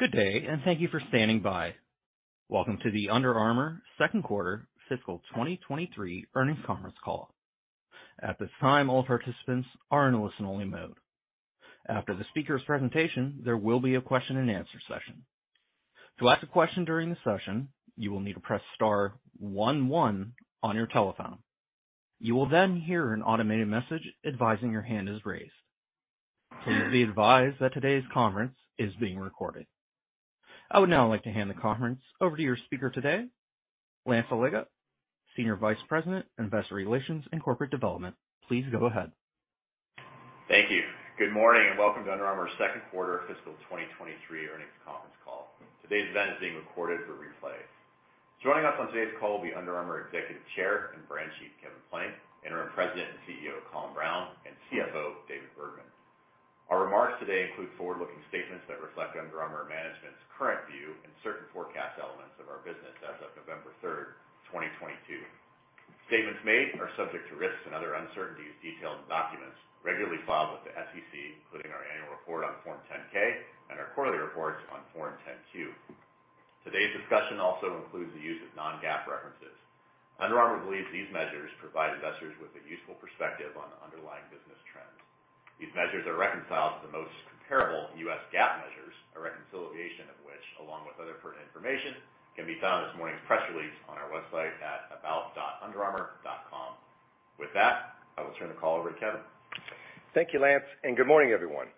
Good day, and thank you for standing by. Welcome to the Under Armour Second Quarter Fiscal 2023 Earnings Conference Call. At this time, all participants are in a listen-only mode. After the speaker's presentation, there will be a question-and-answer session. To ask a question during the session, you will need to press star one one on your telephone. You will then hear an automated message advising your hand is raised. Please be advised that today's conference is being recorded. I would now like to hand the conference over to your speaker today, Lance Allega, Senior Vice President, Investor Relations and Corporate Development. Please go ahead. Thank you. Good morning, and welcome to Under Armour's Second Quarter Fiscal 2023 Earnings Conference Call. Today's event is being recorded for replay. Joining us on today's call will be Under Armour Executive Chair and Brand Chief, Kevin Plank; Interim President and CEO, Colin Browne; and CFO, David Bergman. Our remarks today include forward-looking statements that reflect Under Armour management's current view and certain forecast elements of our business as of November 3rd, 2022. Statements made are subject to risks and other uncertainties detailed in documents regularly filed with the SEC, including our annual report on Form 10-K and our quarterly reports on Form 10-Q. Today's discussion also includes the use of non-GAAP references. Under Armour believes these measures provide investors with a useful perspective on underlying business trends. These measures are reconciled to the most comparable U.S. GAAP measures, a reconciliation of which, along with other pertinent information, can be found in this morning's press release on our website at about.underarmour.com. With that, I will turn the call over to Kevin. Thank you, Lance, and good morning, everyone.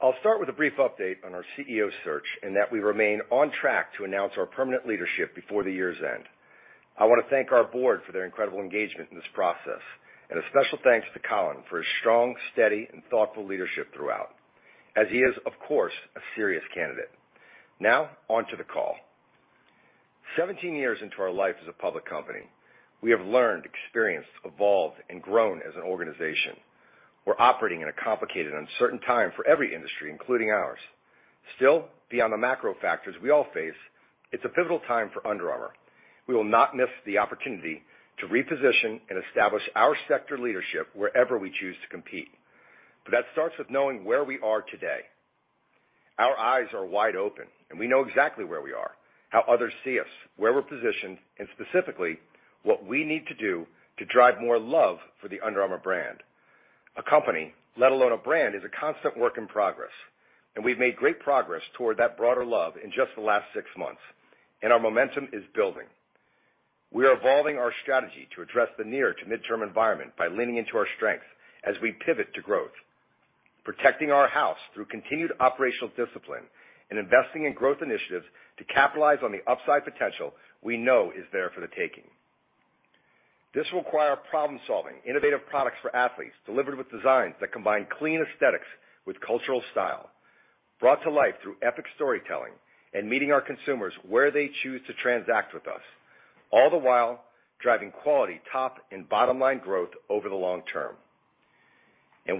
I'll start with a brief update on our CEO search and that we remain on track to announce our permanent leadership before the year's end. I wanna thank our board for their incredible engagement in this process, and a special thanks to Colin for his strong, steady and thoughtful leadership throughout, as he is, of course, a serious candidate. Now onto the call. Seventeen years into our life as a public company, we have learned, experienced, evolved and grown as an organization. We're operating in a complicated and uncertain time for every industry, including ours. Still, beyond the macro factors we all face, it's a pivotal time for Under Armour. We will not miss the opportunity to reposition and establish our sector leadership wherever we choose to compete. That starts with knowing where we are today. Our eyes are wide open, and we know exactly where we are, how others see us, where we're positioned, and specifically, what we need to do to drive more love for the Under Armour brand. A company, let alone a brand, is a constant work in progress, and we've made great progress toward that broader love in just the last six months, and our momentum is building. We are evolving our strategy to address the near to mid-term environment by leaning into our strengths as we pivot to growth, protecting our house through continued operational discipline and investing in growth initiatives to capitalize on the upside potential we know is there for the taking. This will require problem-solving, innovative products for athletes, delivered with designs that combine clean aesthetics with cultural style, brought to life through epic storytelling and meeting our consumers where they choose to transact with us, all the while driving quality, top and bottom line growth over the long term.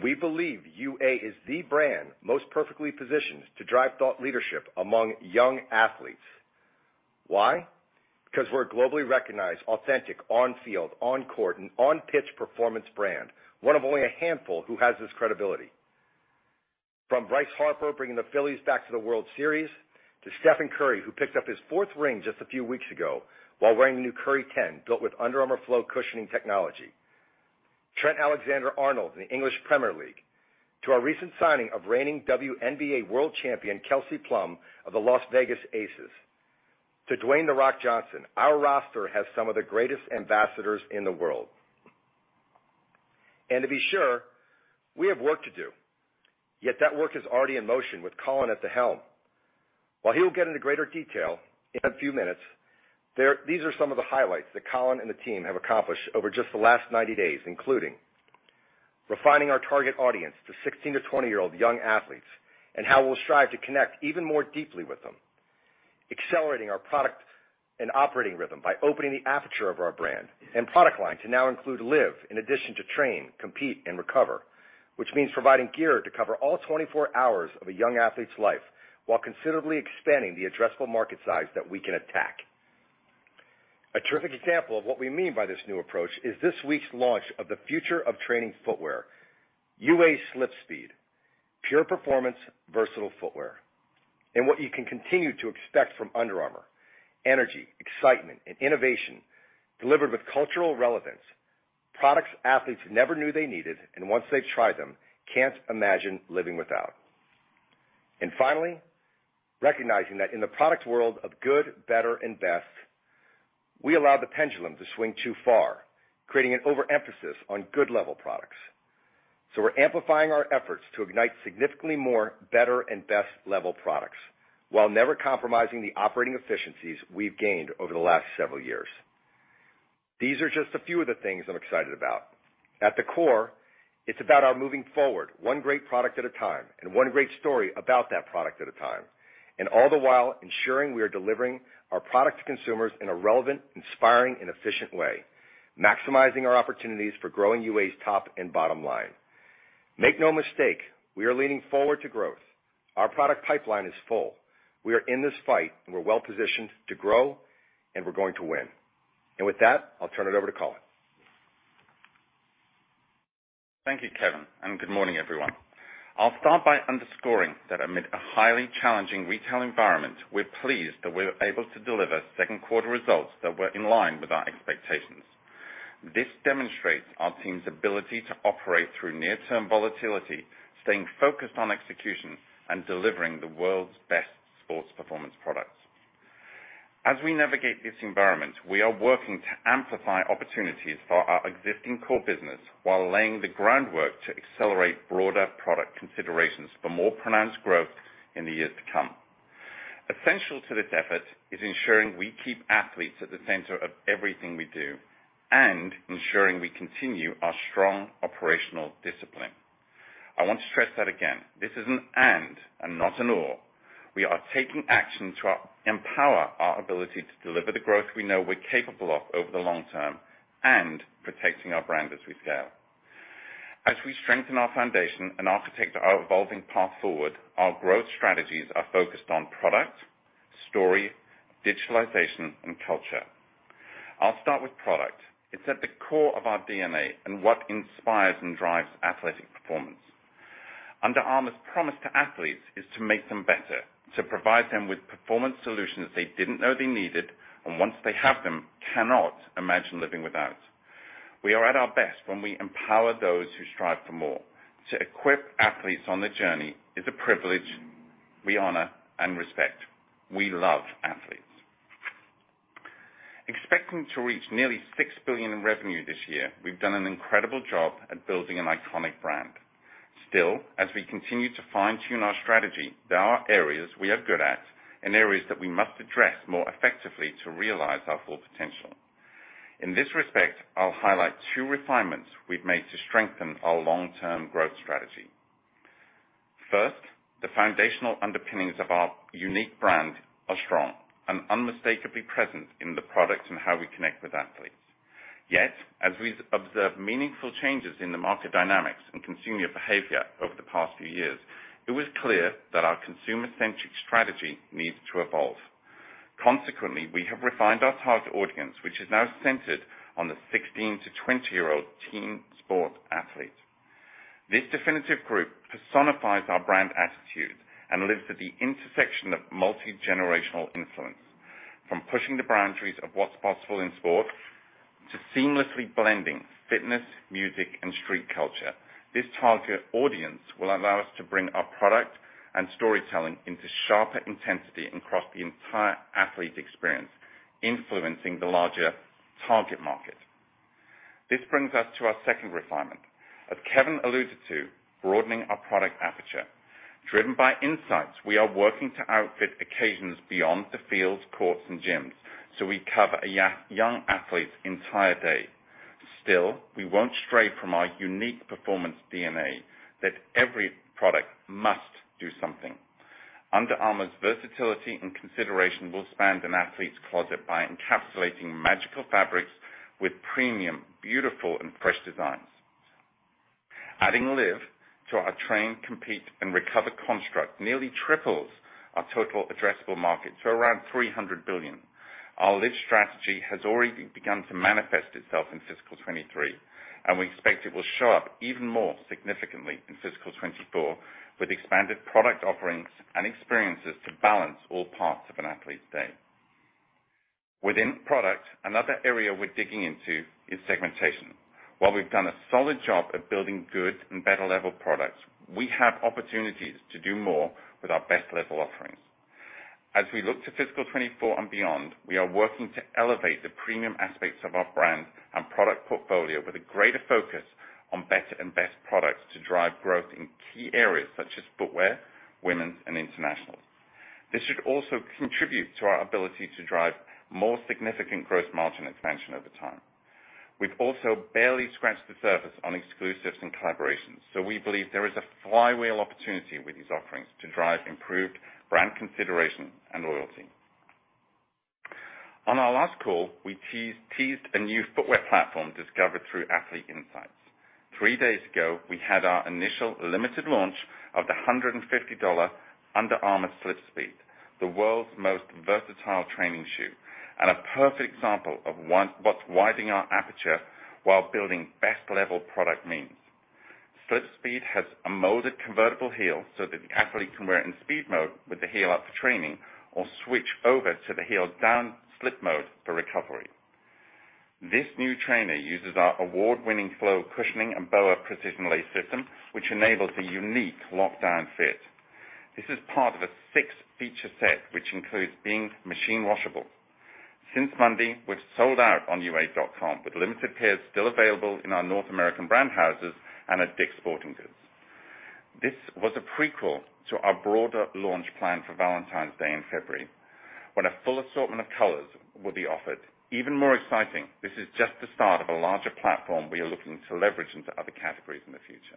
We believe UA is the brand most perfectly positioned to drive thought leadership among young athletes. Why? Because we're a globally recognized, authentic, on-field, on-court, and on-pitch performance brand, one of only a handful who has this credibility. From Bryce Harper bringing the Phillies back to the World Series to Stephen Curry, who picked up his fourth ring just a few weeks ago while wearing the new Curry 10, built with Under Armour Flow cushioning technology. Trent Alexander-Arnold in the English Premier League, to our recent signing of reigning WNBA world champion Kelsey Plum of the Las Vegas Aces, to Dwayne The Rock Johnson, our roster has some of the greatest ambassadors in the world. To be sure, we have work to do, yet that work is already in motion with Colin at the helm. While he'll get into greater detail in a few minutes, these are some of the highlights that Colin and the team have accomplished over just the last 90 days, including refining our target audience to 16-20-year-old young athletes and how we'll strive to connect even more deeply with them. Accelerating our product and operating rhythm by opening the aperture of our brand and product line to now include live in addition to train, compete, and recover, which means providing gear to cover all twenty-four hours of a young athlete's life while considerably expanding the addressable market size that we can attack. A terrific example of what we mean by this new approach is this week's launch of the future of training footwear, UA SlipSpeed, pure performance, versatile footwear, and what you can continue to expect from Under Armour, energy, excitement, and innovation delivered with cultural relevance, products athletes never knew they needed, and once they've tried them, can't imagine living without. Finally, recognizing that in the product world of good, better, and best, we allowed the pendulum to swing too far, creating an overemphasis on good level products. We're amplifying our efforts to ignite significantly more better and best level products while never compromising the operating efficiencies we've gained over the last several years. These are just a few of the things I'm excited about. At the core, it's about our moving forward, one great product at a time and one great story about that product at a time, and all the while ensuring we are delivering our product to consumers in a relevant, inspiring, and efficient way, maximizing our opportunities for growing UA's top and bottom line. Make no mistake, we are leaning forward to growth. Our product pipeline is full. We are in this fight, and we're well-positioned to grow, and we're going to win. With that, I'll turn it over to Colin Browne. Thank you, Kevin, and good morning, everyone. I'll start by underscoring that amid a highly challenging retail environment, we're pleased that we're able to deliver second quarter results that were in line with our expectations. This demonstrates our team's ability to operate through near-term volatility, staying focused on execution, and delivering the world's best sports performance products. As we navigate this environment, we are working to amplify opportunities for our existing core business while laying the groundwork to accelerate broader product considerations for more pronounced growth in the years to come. Essential to this effort is ensuring we keep athletes at the center of everything we do and ensuring we continue our strong operational discipline. I want to stress that again, this is an and not an or. We are taking action to empower our ability to deliver the growth we know we're capable of over the long term and protecting our brand as we scale. As we strengthen our foundation and architect our evolving path forward, our growth strategies are focused on product, story, digitalization, and culture. I'll start with product. It's at the core of our DNA and what inspires and drives athletic performance. Under Armour's promise to athletes is to make them better, to provide them with performance solutions they didn't know they needed, and once they have them, cannot imagine living without. We are at our best when we empower those who strive for more. To equip athletes on their journey is a privilege we honor and respect. We love athletes. Expecting to reach nearly $6 billion in revenue this year, we've done an incredible job at building an iconic brand. Still, as we continue to fine-tune our strategy, there are areas we are good at and areas that we must address more effectively to realize our full potential. In this respect, I'll highlight two refinements we've made to strengthen our long-term growth strategy. First, the foundational underpinnings of our unique brand are strong and unmistakably present in the products and how we connect with athletes. Yet, as we've observed meaningful changes in the market dynamics and consumer behavior over the past few years, it was clear that our consumer-centric strategy needs to evolve. Consequently, we have refined our target audience, which is now centered on the 16-20-year-old team sport athlete. This definitive group personifies our brand attitude and lives at the intersection of multi-generational influence, from pushing the boundaries of what's possible in sport to seamlessly blending fitness, music, and street culture. This target audience will allow us to bring our product and storytelling into sharper intensity across the entire athlete experience, influencing the larger target market. This brings us to our second refinement. As Kevin alluded to, broadening our product aperture. Driven by insights, we are working to outfit occasions beyond the fields, courts, and gyms, so we cover a young athlete's entire day. Still, we won't stray from our unique performance DNA that every product must do something. Under Armour's versatility and consideration will span an athlete's closet by encapsulating magical fabrics with premium, beautiful, and fresh designs. Adding Live to our Train, Compete, and Recover construct nearly triples our total addressable market to around $300 billion. Our Live strategy has already begun to manifest itself in fiscal 2023, and we expect it will show up even more significantly in fiscal 2024, with expanded product offerings and experiences to balance all parts of an athlete's day. Within product, another area we're digging into is segmentation. While we've done a solid job of building good and better level products, we have opportunities to do more with our best level offerings. As we look to fiscal 2024 and beyond, we are working to elevate the premium aspects of our brand and product portfolio with a greater focus on better and best products to drive growth in key areas such as footwear, women's, and international. This should also contribute to our ability to drive more significant gross margin expansion over time. We've also barely scratched the surface on exclusives and collaborations, so we believe there is a flywheel opportunity with these offerings to drive improved brand consideration and loyalty. On our last call, we teased a new footwear platform discovered through Athlete Insights. Three days ago, we had our initial limited launch of the $150 Under Armour SlipSpeed, the world's most versatile training shoe and a perfect example of what widening our aperture while building best level product means. SlipSpeed has a molded convertible heel so that the athlete can wear it in speed mode with the heel up for training or switch over to the heel down slip mode for recovery. This new trainer uses our award-winning Flow cushioning and BOA Fit System, which enables a unique lockdown fit. This is part of a six-feature set, which includes being machine washable. Since Monday, we've sold out on ua.com, with limited pairs still available in our North American brand houses and at DICK'S Sporting Goods. This was a prequel to our broader launch plan for Valentine's Day in February, when a full assortment of colors will be offered. Even more exciting, this is just the start of a larger platform we are looking to leverage into other categories in the future.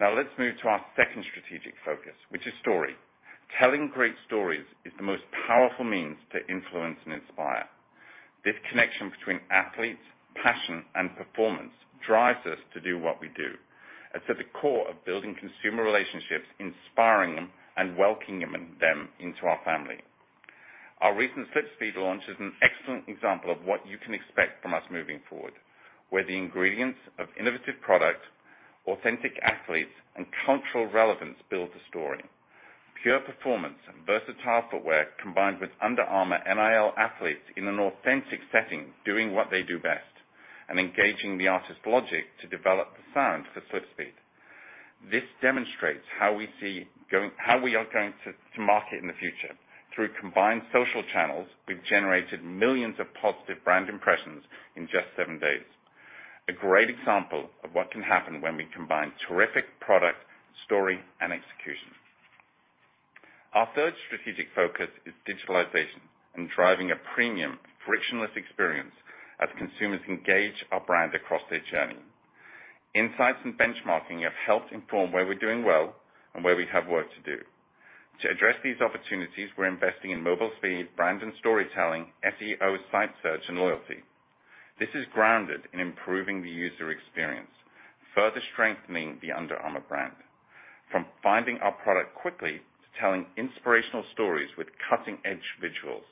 Now let's move to our second strategic focus, which is story. Telling great stories is the most powerful means to influence and inspire. This connection between athletes, passion, and performance drives us to do what we do. It's at the core of building consumer relationships, inspiring them, and welcoming them into our family. Our recent SlipSpeed launch is an excellent example of what you can expect from us moving forward, where the ingredients of innovative product, authentic athletes, and cultural relevance build the story. Pure performance and versatile footwear, combined with Under Armour NIL athletes in an authentic setting, doing what they do best, and engaging the artist Logic to develop the sound for SlipSpeed. This demonstrates how we are going to market in the future. Through combined social channels, we've generated millions of positive brand impressions in just seven days. A great example of what can happen when we combine terrific product, story, and execution. Our third strategic focus is digitalization and driving a premium frictionless experience as consumers engage our brand across their journey. Insights and benchmarking have helped inform where we're doing well and where we have work to do. To address these opportunities, we're investing in mobile speed, brand and storytelling, SEO site search, and loyalty. This is grounded in improving the user experience, further strengthening the Under Armour brand. From finding our product quickly to telling inspirational stories with cutting-edge visuals,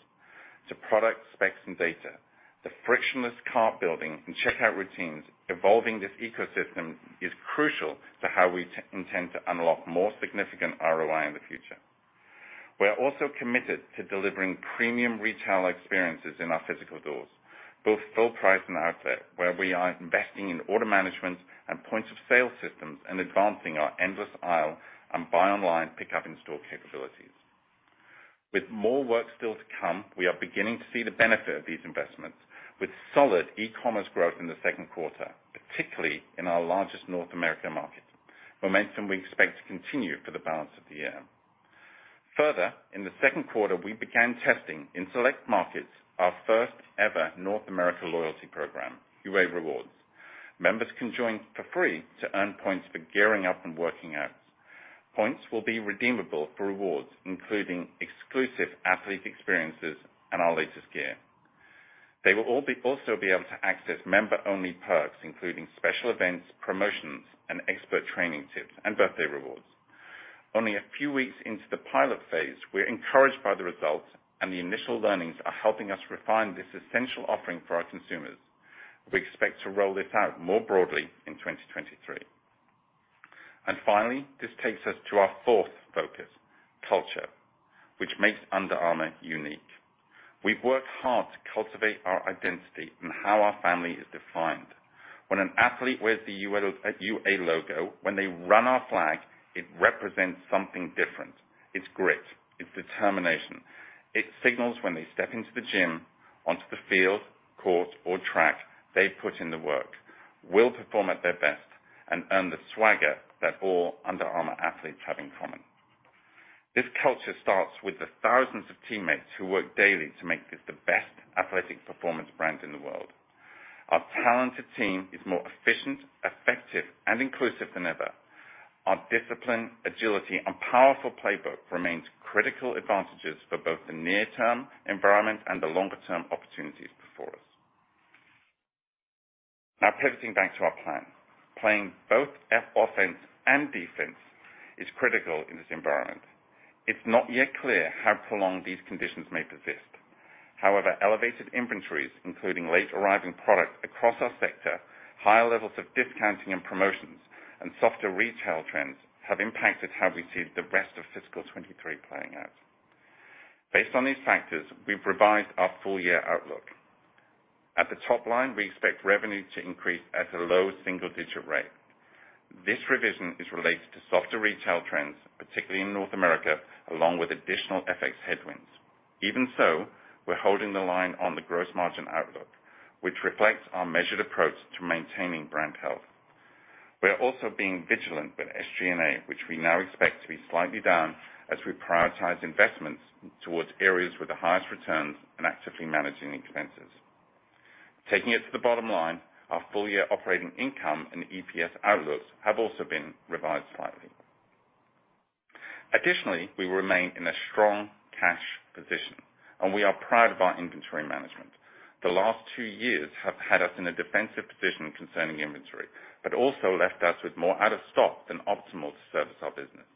to product specs and data, the frictionless cart building and checkout routines, evolving this ecosystem is crucial to how we intend to unlock more significant ROI in the future. We are also committed to delivering premium retail experiences in our physical doors, both full price and outlet, where we are investing in order management and point of sale systems and advancing our endless aisle and buy online, pick up in-store capabilities. With more work still to come, we are beginning to see the benefit of these investments with solid e-commerce growth in the second quarter, particularly in our largest North American market. Momentum we expect to continue for the balance of the year. Further, in the second quarter, we began testing in select markets, our first-ever North America loyalty program, UA Rewards. Members can join for free to earn points for gearing up and working out. Points will be redeemable for rewards, including exclusive athlete experiences and our latest gear. They will also be able to access member-only perks, including special events, promotions, and expert training tips and birthday rewards. Only a few weeks into the pilot phase, we are encouraged by the results, and the initial learnings are helping us refine this essential offering for our consumers. We expect to roll this out more broadly in 2023. Finally, this takes us to our fourth focus, culture, which makes Under Armour unique. We've worked hard to cultivate our identity and how our family is defined. When an athlete wears the UA logo, when they run our flag, it represents something different. It's grit, it's determination. It signals when they step into the gym, onto the field, court, or track they've put in the work, will perform at their best, and earn the swagger that all Under Armour athletes have in common. This culture starts with the thousands of teammates who work daily to make this the best athletic performance brand in the world. Our talented team is more efficient, effective, and inclusive than ever. Our discipline, agility, and powerful playbook remains critical advantages for both the near-term environment and the longer-term opportunities before us. Now pivoting back to our plan. Playing both offense and defense is critical in this environment. It's not yet clear how prolonged these conditions may persist. However, elevated inventories, including late-arriving product across our sector, higher levels of discounting and promotions, and softer retail trends have impacted how we see the rest of fiscal 2023 playing out. Based on these factors, we've revised our full year outlook. At the top line, we expect revenue to increase at a low single-digit rate. This revision is related to softer retail trends, particularly in North America, along with additional FX headwinds. Even so, we're holding the line on the gross margin outlook, which reflects our measured approach to maintaining brand health. We are also being vigilant with SG&A, which we now expect to be slightly down as we prioritize investments towards areas with the highest returns and actively managing expenses. Taking it to the bottom line, our full-year operating income and EPS outlooks have also been revised slightly. Additionally, we remain in a strong cash position, and we are proud of our inventory management. The last two years have had us in a defensive position concerning inventory, but also left us with more out of stock than optimal to service our business.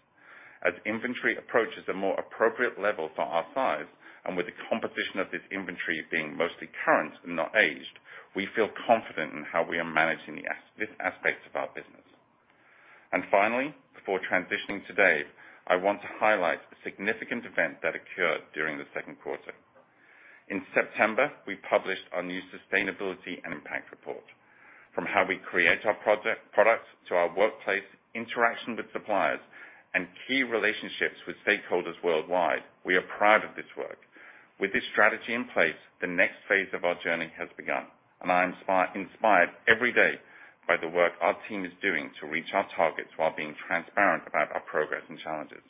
As inventory approaches a more appropriate level for our size and with the composition of this inventory being mostly current and not aged, we feel confident in how we are managing the asset aspect of our business. Finally, before transitioning today, I want to highlight a significant event that occurred during the second quarter. In September, we published our new What's Under Matters. From how we create our product to our workplace, interaction with suppliers, and key relationships with stakeholders worldwide, we are proud of this work. With this strategy in place, the next phase of our journey has begun, and I am inspired every day by the work our team is doing to reach our targets while being transparent about our progress and challenges.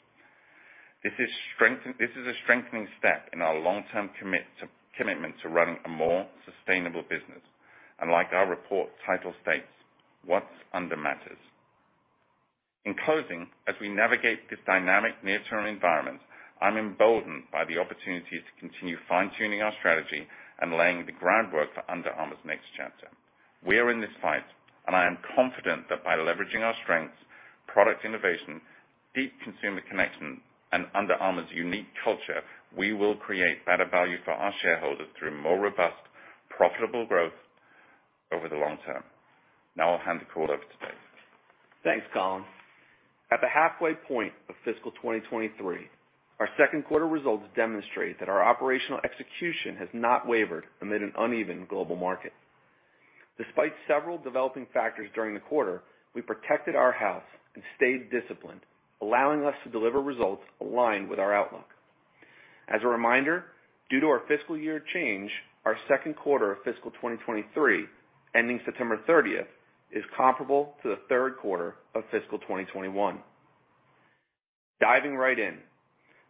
This is a strengthening step in our long-term commitment to running a more sustainable business, and like our report title states, What's Under Matters. In closing, as we navigate this dynamic near-term environment, I'm emboldened by the opportunity to continue fine-tuning our strategy and laying the groundwork for Under Armour's next chapter. We are in this fight, and I am confident that by leveraging our strengths, product innovation, deep consumer connection, and Under Armour's unique culture, we will create better value for our shareholders through more robust, profitable growth over the long term. Now I'll hand the call over to David. Thanks, Colin. At the halfway point of fiscal 2023, our second quarter results demonstrate that our operational execution has not wavered amid an uneven global market. Despite several developing factors during the quarter, we protected our house and stayed disciplined, allowing us to deliver results aligned with our outlook. As a reminder, due to our fiscal year change, our second quarter of fiscal 2023, ending September 30th, is comparable to the third quarter of fiscal 2021. Diving right in.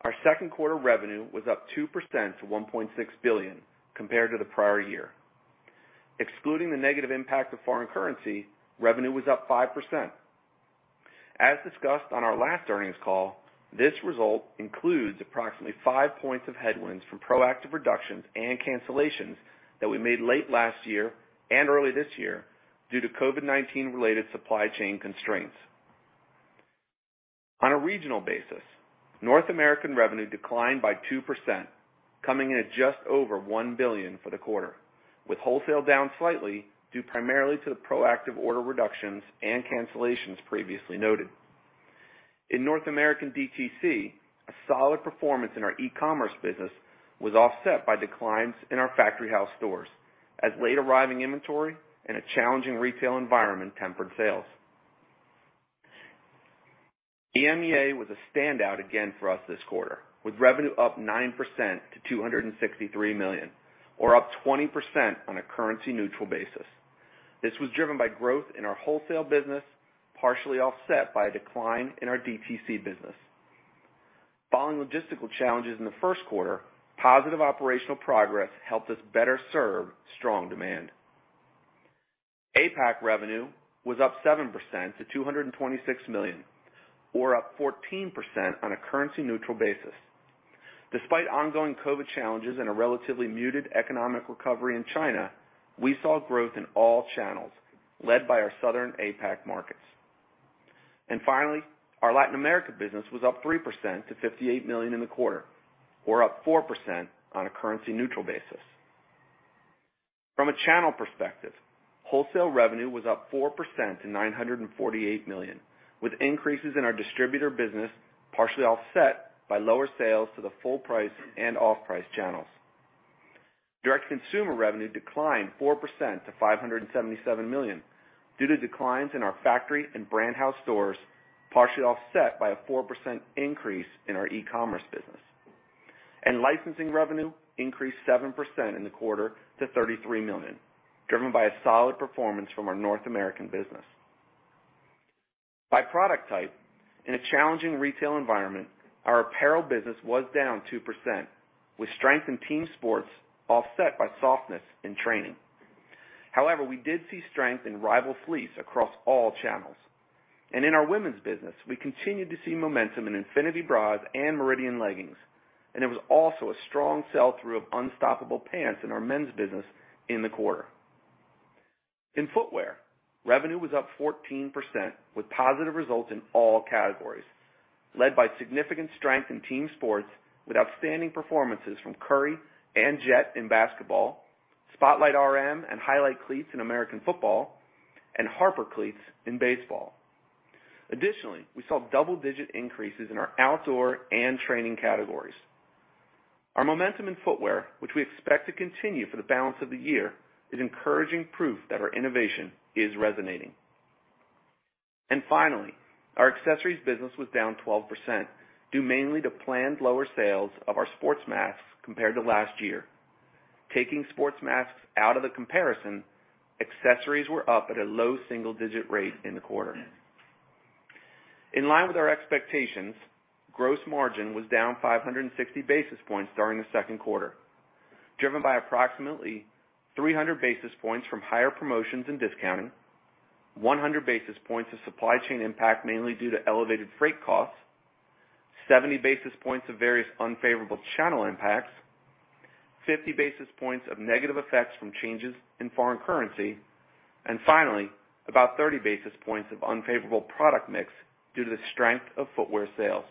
Our second quarter revenue was up 2% to $1.6 billion compared to the prior year. Excluding the negative impact of foreign currency, revenue was up 5%. As discussed on our last earnings call, this result includes approximately 5 points of headwinds from proactive reductions and cancellations that we made late last year and early this year due to COVID-19 related supply chain constraints. On a regional basis, North American revenue declined by 2%, coming in at just over $1 billion for the quarter, with wholesale down slightly due primarily to the proactive order reductions and cancellations previously noted. In North American DTC, a solid performance in our e-commerce business was offset by declines in our factory house stores as late arriving inventory and a challenging retail environment tempered sales. EMEA was a standout again for us this quarter, with revenue up 9% to $263 million, or up 20% on a currency neutral basis. This was driven by growth in our wholesale business, partially offset by a decline in our DTC business. Following logistical challenges in the first quarter, positive operational progress helped us better serve strong demand. APAC revenue was up 7% to $226 million, or up 14% on a currency neutral basis. Despite ongoing COVID-19 challenges and a relatively muted economic recovery in China, we saw growth in all channels led by our southern APAC markets. Finally, our Latin America business was up 3% to $58 million in the quarter, or up 4% on a currency neutral basis. From a channel perspective, wholesale revenue was up 4% to $948 million, with increases in our distributor business partially offset by lower sales to the full price and off-price channels. Direct-to-consumer revenue declined 4% to $577 million due to declines in our factory and brand house stores, partially offset by a 4% increase in our e-commerce business. Licensing revenue increased 7% in the quarter to $33 million, driven by a solid performance from our North American business. By product type, in a challenging retail environment, our apparel business was down 2%, with strength in team sports offset by softness in training. However, we did see strength in Rival Fleece across all channels. In our women's business, we continued to see momentum in Infinity bras and Meridian leggings, and there was also a strong sell-through of Unstoppable pants in our men's business in the quarter. In footwear, revenue was up 14% with positive results in all categories, led by significant strength in team sports with outstanding performances from Curry and Jet in basketball, Spotlight RM and Highlight cleats in American football, and Harper cleats in baseball. Additionally, we saw double-digit increases in our outdoor and training categories. Our momentum in footwear, which we expect to continue for the balance of the year, is encouraging proof that our innovation is resonating. Finally, our accessories business was down 12%, due mainly to planned lower sales of our sports masks compared to last year. Taking sports masks out of the comparison, accessories were up at a low single-digit rate in the quarter. In line with our expectations, gross margin was down 560 basis points during the second quarter, driven by approximately 300 basis points from higher promotions and discounting, 100 basis points of supply chain impact mainly due to elevated freight costs, 70 basis points of various unfavorable channel impacts, 50 basis points of negative effects from changes in foreign currency, and finally, about 30 basis points of unfavorable product mix due to the strength of footwear sales.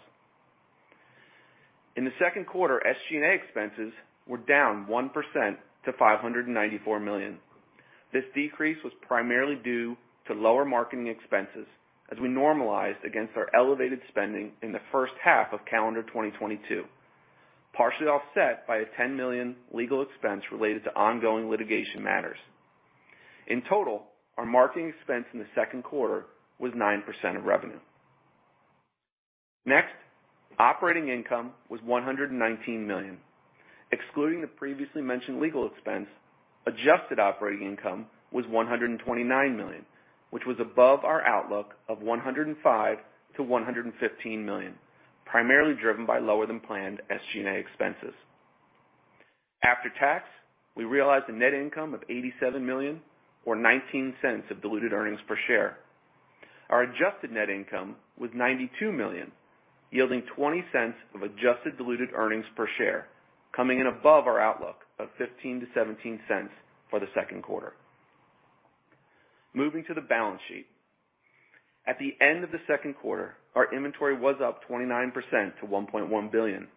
In the second quarter, SG&A expenses were down 1% to $594 million. This decrease was primarily due to lower marketing expenses as we normalized against our elevated spending in the first half of calendar 2022, partially offset by a $10 million legal expense related to ongoing litigation matters. In total, our marketing expense in the second quarter was 9% of revenue. Next, operating income was $119 million. Excluding the previously mentioned legal expense, adjusted operating income was $129 million, which was above our outlook of $105 million-$115 million, primarily driven by lower than planned SG&A expenses. After tax, we realized a net income of $87 million or $0.19 of diluted earnings per share. Our adjusted net income was $92 million, yielding $0.20 of adjusted diluted earnings per share, coming in above our outlook of $0.15-$0.17 for the second quarter. Moving to the balance sheet. At the end of the second quarter, our inventory was up 29% to $1.1 billion.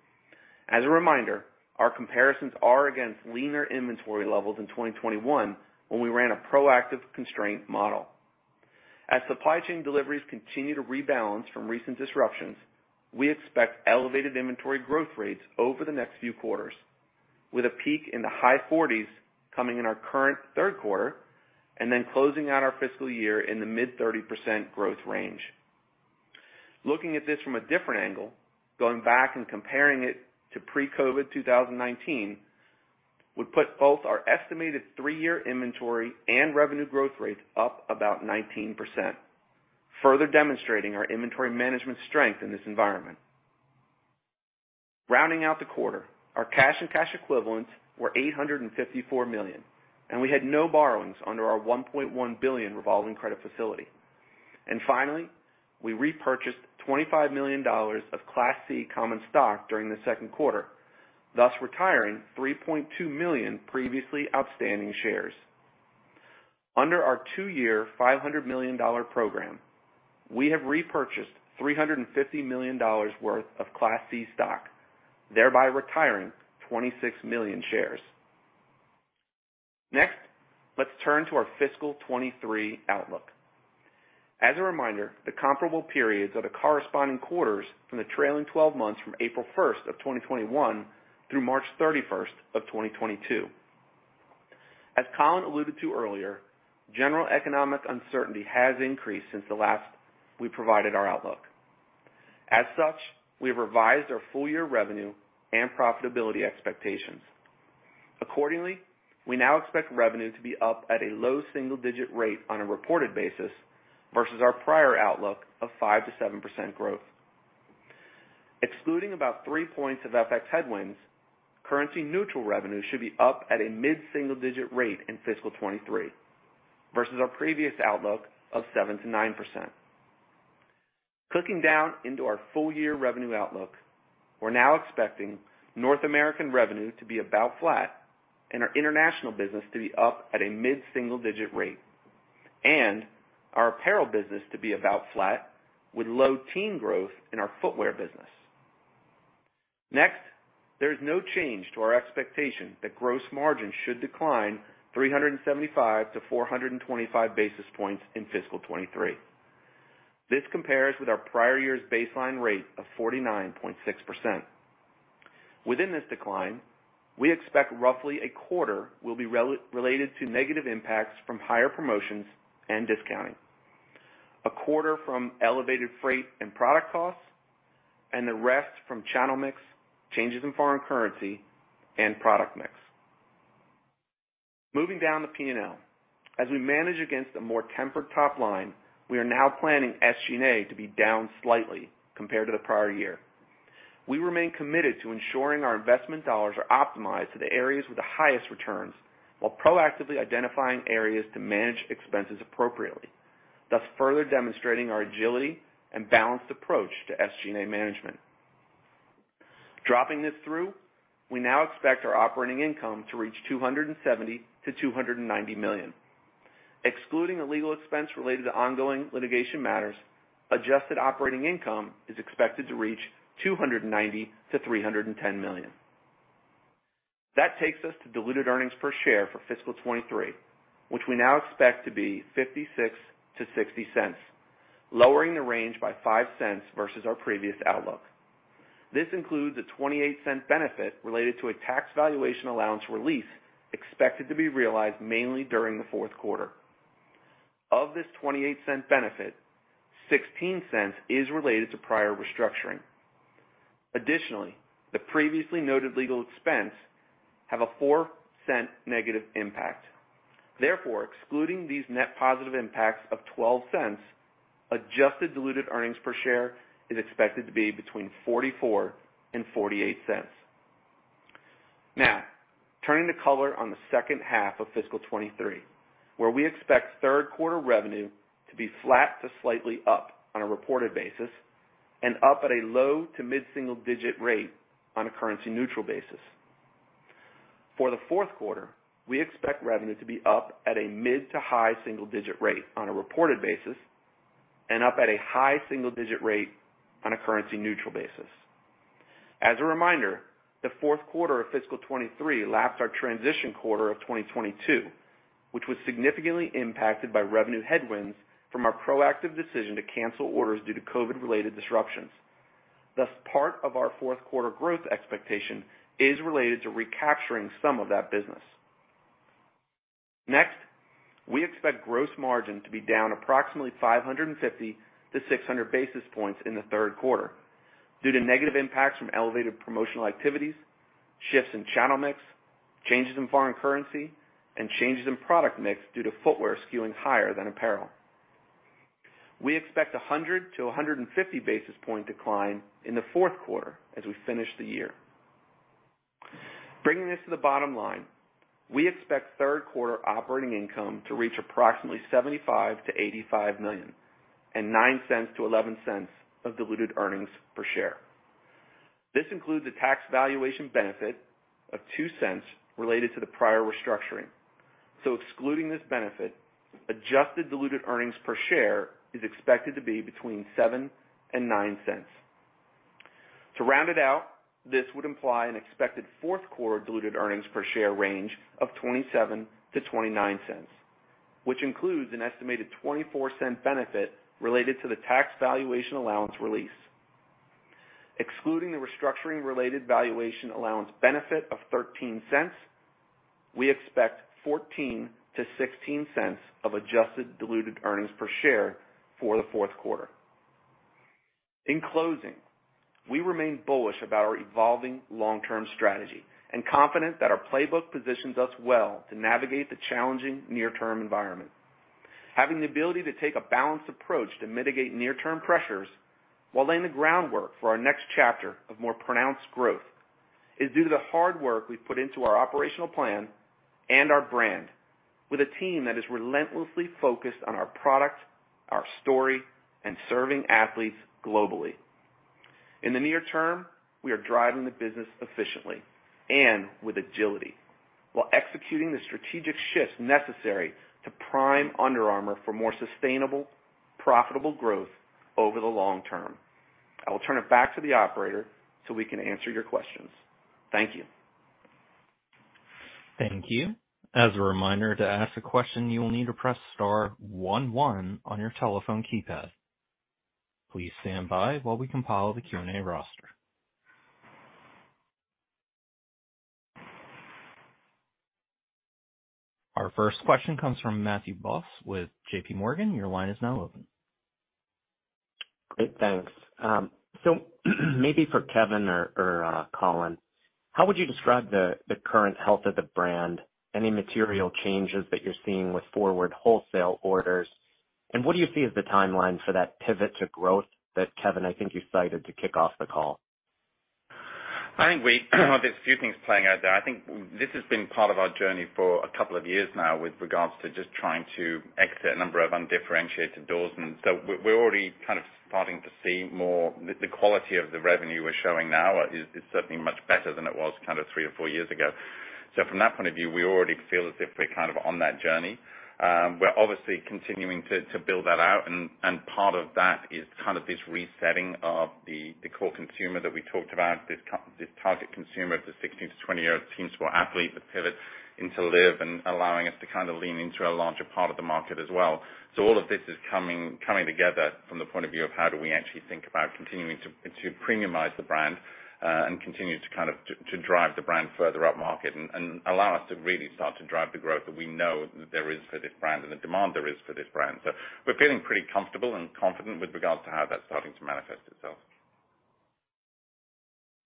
As a reminder, our comparisons are against leaner inventory levels in 2021, when we ran a proactive constraint model. As supply chain deliveries continue to rebalance from recent disruptions, we expect elevated inventory growth rates over the next few quarters, with a peak in the high 40s% coming in our current third quarter and then closing out our fiscal year in the mid-30% growth range. Looking at this from a different angle, going back and comparing it to pre-COVID 2019 would put both our estimated three-year inventory and revenue growth rates up about 19%, further demonstrating our inventory management strength in this environment. Rounding out the quarter, our cash and cash equivalents were $854 million, and we had no borrowings under our $1.1 billion revolving credit facility. Finally, we repurchased $25 million of Class C common stock during the second quarter, thus retiring 3.2 million previously outstanding shares. Under our two-year, $500 million program, we have repurchased $350 million worth of Class C stock, thereby retiring 26 million shares. Next, let's turn to our fiscal 2023 outlook. As a reminder, the comparable periods are the corresponding quarters from the trailing twelve months from April 1st, 2021 through March 31st, 2022. As Colin alluded to earlier, general economic uncertainty has increased since the last we provided our outlook. As such, we have revised our full year revenue and profitability expectations. Accordingly, we now expect revenue to be up at a low single-digit rate on a reported basis versus our prior outlook of 5%-7% growth. Excluding about 3 points of FX headwinds, currency neutral revenue should be up at a mid-single digit rate in fiscal 2023 versus our previous outlook of 7%-9%. Clicking down into our full-year revenue outlook, we're now expecting North American revenue to be about flat and our international business to be up at a mid-single digit rate, and our apparel business to be about flat with low teen growth in our footwear business. Next, there is no change to our expectation that gross margin should decline 375-425 basis points in fiscal 2023. This compares with our prior year's baseline rate of 49.6%. Within this decline, we expect roughly a quarter will be related to negative impacts from higher promotions and discounting. A quarter from elevated freight and product costs, and the rest from channel mix, changes in foreign currency, and product mix. Moving down the P&L. As we manage against a more tempered top line, we are now planning SG&A to be down slightly compared to the prior year. We remain committed to ensuring our investment dollars are optimized to the areas with the highest returns, while proactively identifying areas to manage expenses appropriately, thus further demonstrating our agility and balanced approach to SG&A management. Dropping this through, we now expect our operating income to reach $270 million-$290 million. Excluding the legal expense related to ongoing litigation matters, adjusted operating income is expected to reach $290 million-$310 million. That takes us to diluted earnings per share for fiscal 2023, which we now expect to be $0.56-$0.60, lowering the range by $0.05 Versus our previous outlook. This includes a $0.28 benefit related to a tax valuation allowance release expected to be realized mainly during the fourth quarter. Of this $0.28 benefit, $0.16 is related to prior restructuring. Additionally, the previously noted legal expense have a $0.04 negative impact. Therefore, excluding these net positive impacts of $0.12, adjusted diluted earnings per share is expected to be between $0.44 and $0.48. Now, turning to color on the second half of fiscal 2023, where we expect third quarter revenue to be flat to slightly up on a reported basis and up at a low to mid-single digit rate on a currency neutral basis. For the fourth quarter, we expect revenue to be up at a mid to high single digit rate on a reported basis and up at a high single digit rate on a currency neutral basis. As a reminder, the fourth quarter of fiscal 2023 lapped our transition quarter of 2022, which was significantly impacted by revenue headwinds from our proactive decision to cancel orders due to COVID-19-related disruptions. Thus, part of our fourth quarter growth expectation is related to recapturing some of that business. Next, we expect gross margin to be down approximately 550-600 basis points in the third quarter due to negative impacts from elevated promotional activities, shifts in channel mix, changes in foreign currency, and changes in product mix due to footwear skewing higher than apparel. We expect a 100-150 basis point decline in the fourth quarter as we finish the year. Bringing this to the bottom line, we expect third quarter operating income to reach approximately $75 million-$85 million and $0.09-$0.11 of diluted earnings per share. This includes a tax valuation benefit of $0.02 related to the prior restructuring. Excluding this benefit, adjusted diluted earnings per share is expected to be between $0.07 and $0.09. To round it out, this would imply an expected fourth quarter diluted earnings per share range of $0.27-$0.29, which includes an estimated $0.24 benefit related to the tax valuation allowance release. Excluding the restructuring related valuation allowance benefit of $0.13, we expect $0.14-$0.16 of adjusted diluted earnings per share for the fourth quarter. In closing, we remain bullish about our evolving long-term strategy and confident that our playbook positions us well to navigate the challenging near-term environment. Having the ability to take a balanced approach to mitigate near-term pressures while laying the groundwork for our next chapter of more pronounced growth is due to the hard work we've put into our operational plan and our brand with a team that is relentlessly focused on our product, our story, and serving athletes globally. In the near term, we are driving the business efficiently and with agility while executing the strategic shifts necessary to prime Under Armour for more sustainable, profitable growth over the long term. I will turn it back to the operator so we can answer your questions. Thank you. Thank you. As a reminder, to ask a question, you will need to press star one one on your telephone keypad. Please stand by while we compile the Q&A roster. Our first question comes from Matthew Boss with JPMorgan. Your line is now open. Great, thanks. Maybe for Kevin or Colin, how would you describe the current health of the brand? Any material changes that you're seeing with forward wholesale orders? What do you see as the timeline for that pivot to growth that, Kevin, I think you cited to kick off the call? I think there's a few things playing out there. I think this has been part of our journey for a couple of years now with regards to just trying to exit a number of undifferentiated doors. We're already kind of starting to see more. The quality of the revenue we're showing now is certainly much better than it was kind of three or four years ago. From that point of view, we already feel as if we're kind of on that journey. We're obviously continuing to build that out and part of that is kind of this resetting of the core consumer that we talked about, this target consumer of the 16-20-year-old team sport athlete that pivots into lifestyle and allowing us to kind of lean into a larger part of the market as well. All of this is coming together from the point of view of how do we actually think about continuing to premiumize the brand, and continue to kind of to drive the brand further upmarket and allow us to really start to drive the growth that we know that there is for this brand and the demand there is for this brand. We're feeling pretty comfortable and confident with regards to how that's starting to manifest itself.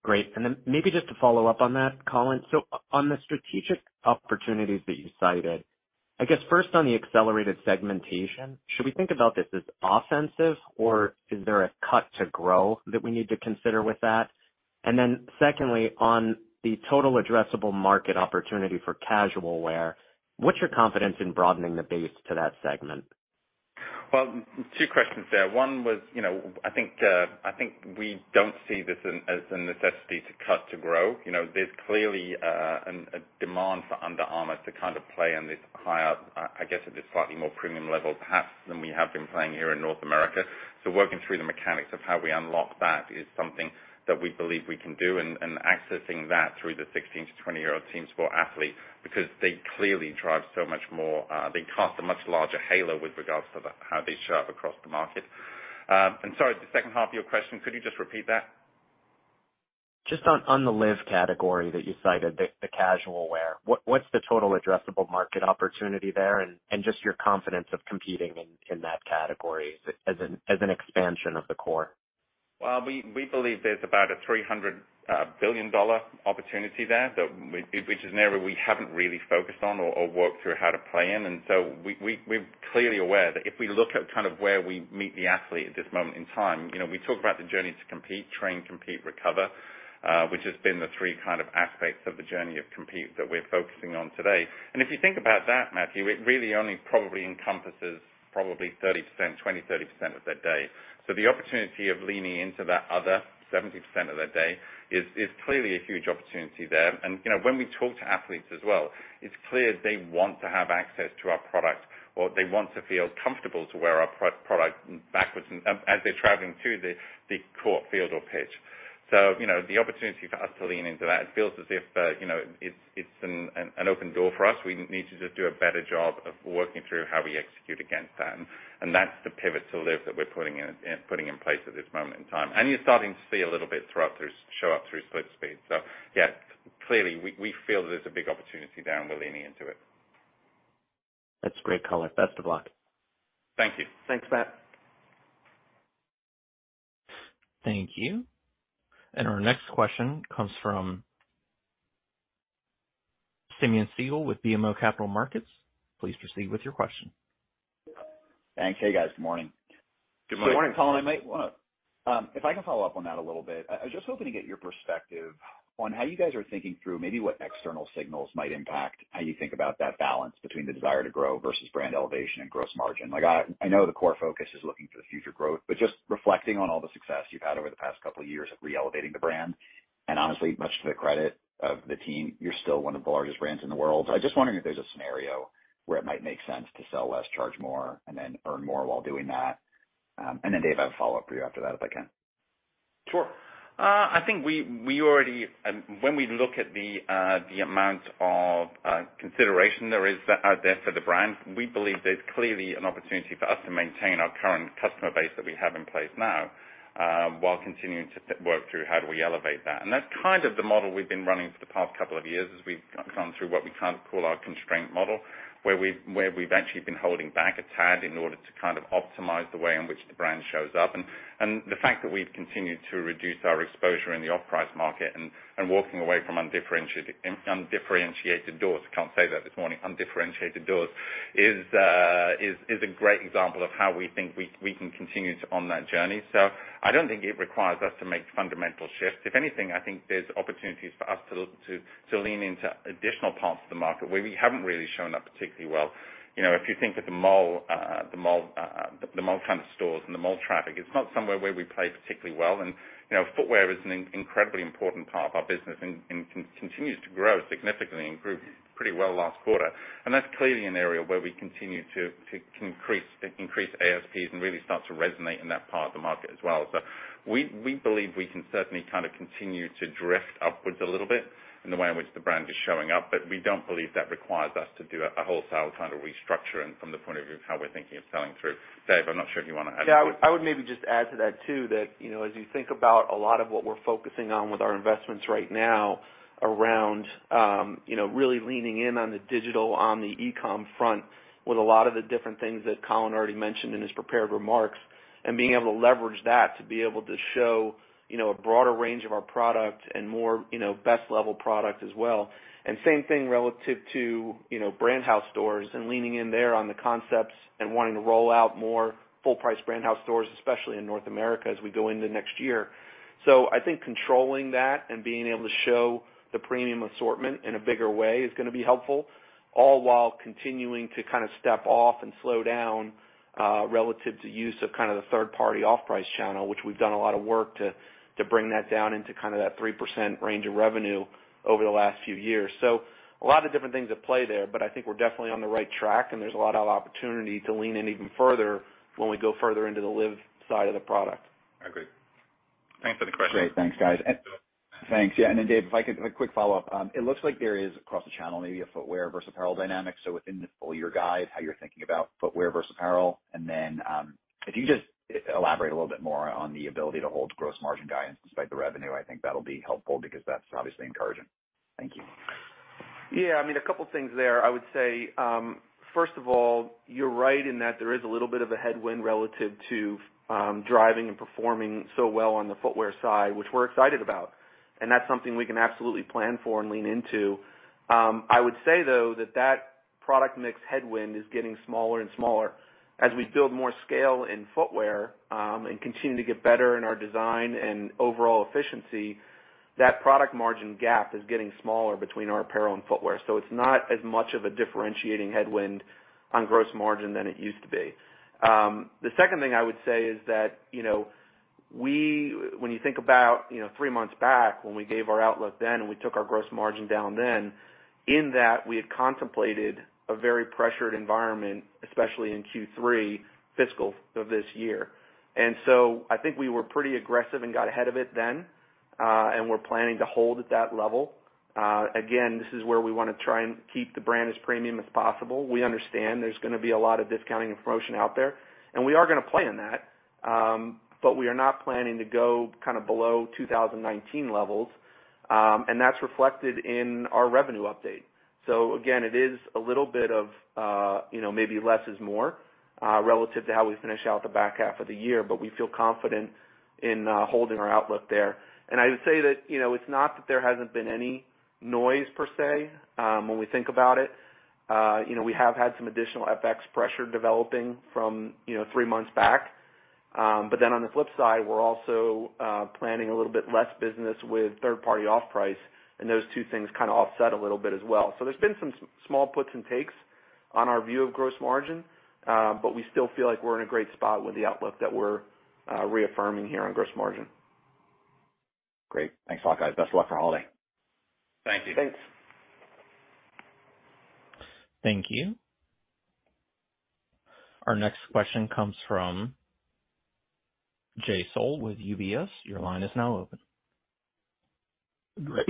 Great. Maybe just to follow up on that, Colin, so on the strategic opportunities that you cited, I guess first on the accelerated segmentation, should we think about this as offensive or is there a cut to grow that we need to consider with that? Secondly, on the total addressable market opportunity for casual wear, what's your confidence in broadening the base to that segment? Well, two questions there. One was, you know, I think we don't see this as a necessity to cut to grow. You know, there's clearly a demand for Under Armour to kind of play in this higher, I guess at a slightly more premium level perhaps than we have been playing here in North America. So working through the mechanics of how we unlock that is something that we believe we can do and accessing that through the 16-20-year-old team sport athlete, because they clearly drive so much more, they cast a much larger halo with regards to how they show up across the market. And sorry, the second half of your question, could you just repeat that? Just on the lifestyle category that you cited, the casual wear. What's the total addressable market opportunity there and just your confidence of competing in that category as an expansion of the core? We believe there's about a $300 billion opportunity there, which is an area we haven't really focused on or worked through how to play in. We're clearly aware that if we look at kind of where we meet the athlete at this moment in time, you know, we talk about the journey to compete, train, compete, recover, which has been the three kind of aspects of the journey of compete that we're focusing on today. If you think about that, Matthew, it really only probably encompasses probably 30%, 20%-30% of their day. The opportunity of leaning into that other 70% of their day is clearly a huge opportunity there. You know, when we talk to athletes as well, it's clear they want to have access to our product or they want to feel comfortable to wear our pro product backwards as they're traveling to the court, the field or pitch. you know, the opportunity for us to lean into that, it feels as if you know, it's an open door for us. We need to just do a better job of working through how we execute against that. that's the pivot to live that we're putting in place at this moment in time. you're starting to see a little bit show up through SlipSpeed. yeah, clearly we feel there's a big opportunity there and we're leaning into it. That's great, Colin. Best of luck. Thank you. Thanks, Matt. Thank you. Our next question comes from Simeon Siegel with BMO Capital Markets. Please proceed with your question. Thanks. Hey, guys. Good morning. Good morning. Colin Browne, I might wanna, if I can follow up on that a little bit. I was just hoping to get your perspective on how you guys are thinking through maybe what external signals might impact how you think about that balance between the desire to grow versus brand elevation and gross margin. Like, I know the core focus is looking for the future growth, but just reflecting on all the success you've had over the past couple of years of re-elevating the brand, and honestly, much to the credit of the team, you're still one of the largest brands in the world. I'm just wondering if there's a scenario where it might make sense to sell less, charge more, and then earn more while doing that. David Bergman, I have a follow-up for you after that, if I can. Sure. I think we already. When we look at the amount of consideration there is out there for the brand, we believe there's clearly an opportunity for us to maintain our current customer base that we have in place now, while continuing to work through how do we elevate that. That's kind of the model we've been running for the past couple of years as we've gone through what we kind of call our constraint model. Where we've actually been holding back a tad in order to kind of optimize the way in which the brand shows up. The fact that we've continued to reduce our exposure in the off-price market and walking away from undifferentiated doors. Can't say that this morning. Undifferentiated doors is a great example of how we think we can continue on that journey. I don't think it requires us to make fundamental shifts. If anything, I think there's opportunities for us to lean into additional parts of the market where we haven't really shown up particularly well. You know, if you think of the mall kind of stores and the mall traffic, it's not somewhere where we play particularly well. You know, footwear is an incredibly important part of our business and continues to grow significantly and grew pretty well last quarter. That's clearly an area where we continue to increase ASPs and really start to resonate in that part of the market as well. We believe we can certainly kind of continue to drift upwards a little bit in the way in which the brand is showing up, but we don't believe that requires us to do a wholesale kind of restructuring from the point of view of how we're thinking of selling through. Dave, I'm not sure if you wanna add anything. Yeah. I would maybe just add to that too, that you know, as you think about a lot of what we're focusing on with our investments right now around, you know, really leaning in on the digital, on the e-com front with a lot of the different things that Colin already mentioned in his prepared remarks, and being able to leverage that to be able to show, you know, a broader range of our product and more, you know, best level product as well. Same thing relative to, you know, brand house stores and leaning in there on the concepts and wanting to roll out more full-price brand house stores, especially in North America as we go into next year. I think controlling that and being able to show the premium assortment in a bigger way is gonna be helpful, all while continuing to kind of step off and slow down relative to use of kind of the third party off-price channel, which we've done a lot of work to bring that down into kinda that 3% range of revenue over the last few years. A lot of different things at play there, but I think we're definitely on the right track, and there's a lot of opportunity to lean in even further when we go further into the live side of the product. I agree. Thanks for the question. Great. Thanks, guys. Thanks. Yeah, Dave, if I could, a quick follow-up. It looks like there is across the channel maybe a footwear versus apparel dynamic. So within the full year guide, how you're thinking about footwear versus apparel? If you could just elaborate a little bit more on the ability to hold gross margin guidance despite the revenue, I think that'll be helpful because that's obviously encouraging. Thank you. Yeah. I mean, a couple things there. I would say, first of all, you're right in that there is a little bit of a headwind relative to driving and performing so well on the footwear side, which we're excited about. That's something we can absolutely plan for and lean into. I would say, though, that that product mix headwind is getting smaller and smaller. As we build more scale in footwear, and continue to get better in our design and overall efficiency, that product margin gap is getting smaller between our apparel and footwear. It's not as much of a differentiating headwind on gross margin than it used to be. The second thing I would say is that, you know, when you think about, you know, three months back when we gave our outlook then and we took our gross margin down then, in that we had contemplated a very pressured environment, especially in Q3 fiscal of this year. I think we were pretty aggressive and got ahead of it then, and we're planning to hold at that level. Again, this is where we wanna try and keep the brand as premium as possible. We understand there's gonna be a lot of discounting and promotion out there, and we are gonna plan that. We are not planning to go kind of below 2019 levels, and that's reflected in our revenue update. Again, it is a little bit of, you know, maybe less is more, relative to how we finish out the back half of the year, but we feel confident in holding our outlook there. I would say that, you know, it's not that there hasn't been any noise per se, when we think about it. You know, we have had some additional FX pressure developing from, you know, three months back. But then on the flip side, we're also planning a little bit less business with third-party off-price, and those two things kinda offset a little bit as well. There's been some small puts and takes on our view of gross margin, but we still feel like we're in a great spot with the outlook that we're reaffirming here on gross margin. Great. Thanks a lot, guys. Best of luck for holiday. Thank you. Thanks. Thank you. Our next question comes from Jay Sole with UBS. Your line is now open. Great.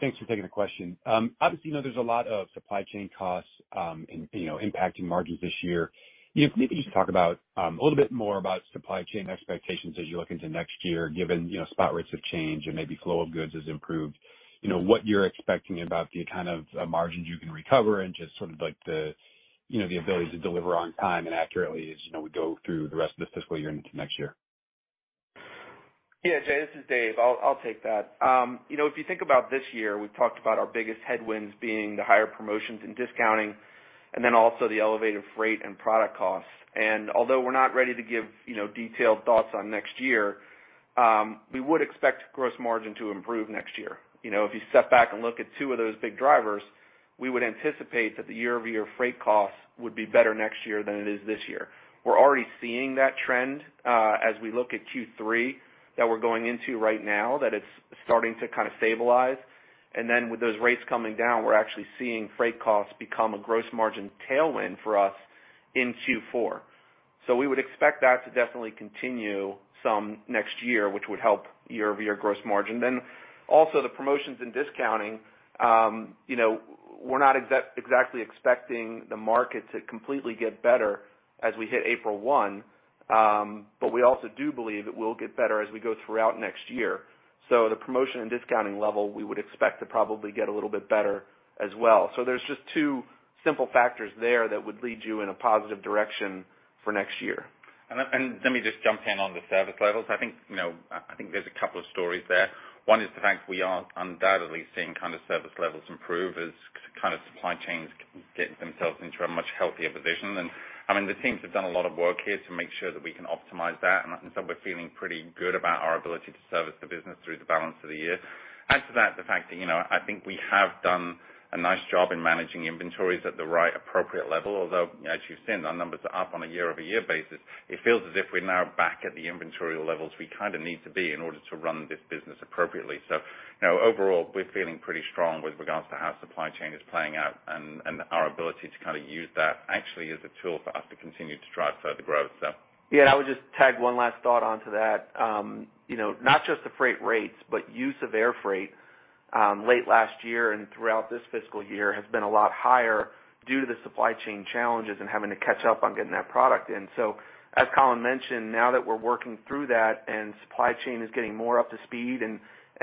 Thanks for taking the question. Obviously, you know, there's a lot of supply chain costs, and, you know, impacting margins this year. If maybe you could talk about a little bit more about supply chain expectations as you look into next year, given, you know, spot rates have changed and maybe flow of goods has improved. You know, what you're expecting about the kind of margins you can recover and just sort of like the, you know, the ability to deliver on time and accurately as, you know, we go through the rest of the fiscal year into next year. Yeah, Jay, this is Dave. I'll take that. You know, if you think about this year, we've talked about our biggest headwinds being the higher promotions and discounting and then also the elevated freight and product costs. Although we're not ready to give, you know, detailed thoughts on next year, we would expect gross margin to improve next year. You know, if you step back and look at two of those big drivers, we would anticipate that the year-over-year freight costs would be better next year than it is this year. We're already seeing that trend, as we look at Q3 that we're going into right now, that it's starting to kind of stabilize. Then with those rates coming down, we're actually seeing freight costs become a gross margin tailwind for us in Q4. We would expect that to definitely continue some next year, which would help year-over-year gross margin. Also the promotions and discounting, you know, we're not exactly expecting the market to completely get better as we hit April 1. But we also do believe it will get better as we go throughout next year. The promotion and discounting level, we would expect to probably get a little bit better as well. There's just two simple factors there that would lead you in a positive direction for next year. Let me just jump in on the service levels. I think, you know, I think there's a couple of stories there. One is the fact we are undoubtedly seeing kind of service levels improve as kind of supply chains get themselves into a much healthier position. I mean, the teams have done a lot of work here to make sure that we can optimize that. We're feeling pretty good about our ability to service the business through the balance of the year. Add to that the fact that, you know, I think we have done a nice job in managing inventories at the right appropriate level, although as you've seen, our numbers are up on a year-over-year basis. It feels as if we're now back at the inventory levels we kind of need to be in order to run this business appropriately. You know, overall, we're feeling pretty strong with regards to how supply chain is playing out and our ability to kind of use that actually as a tool for us to continue to drive further growth so. Yeah, I would just tag one last thought onto that. You know, not just the freight rates, but use of air freight, late last year and throughout this fiscal year has been a lot higher due to the supply chain challenges and having to catch up on getting that product in. As Colin Browne mentioned, now that we're working through that and supply chain is getting more up to speed and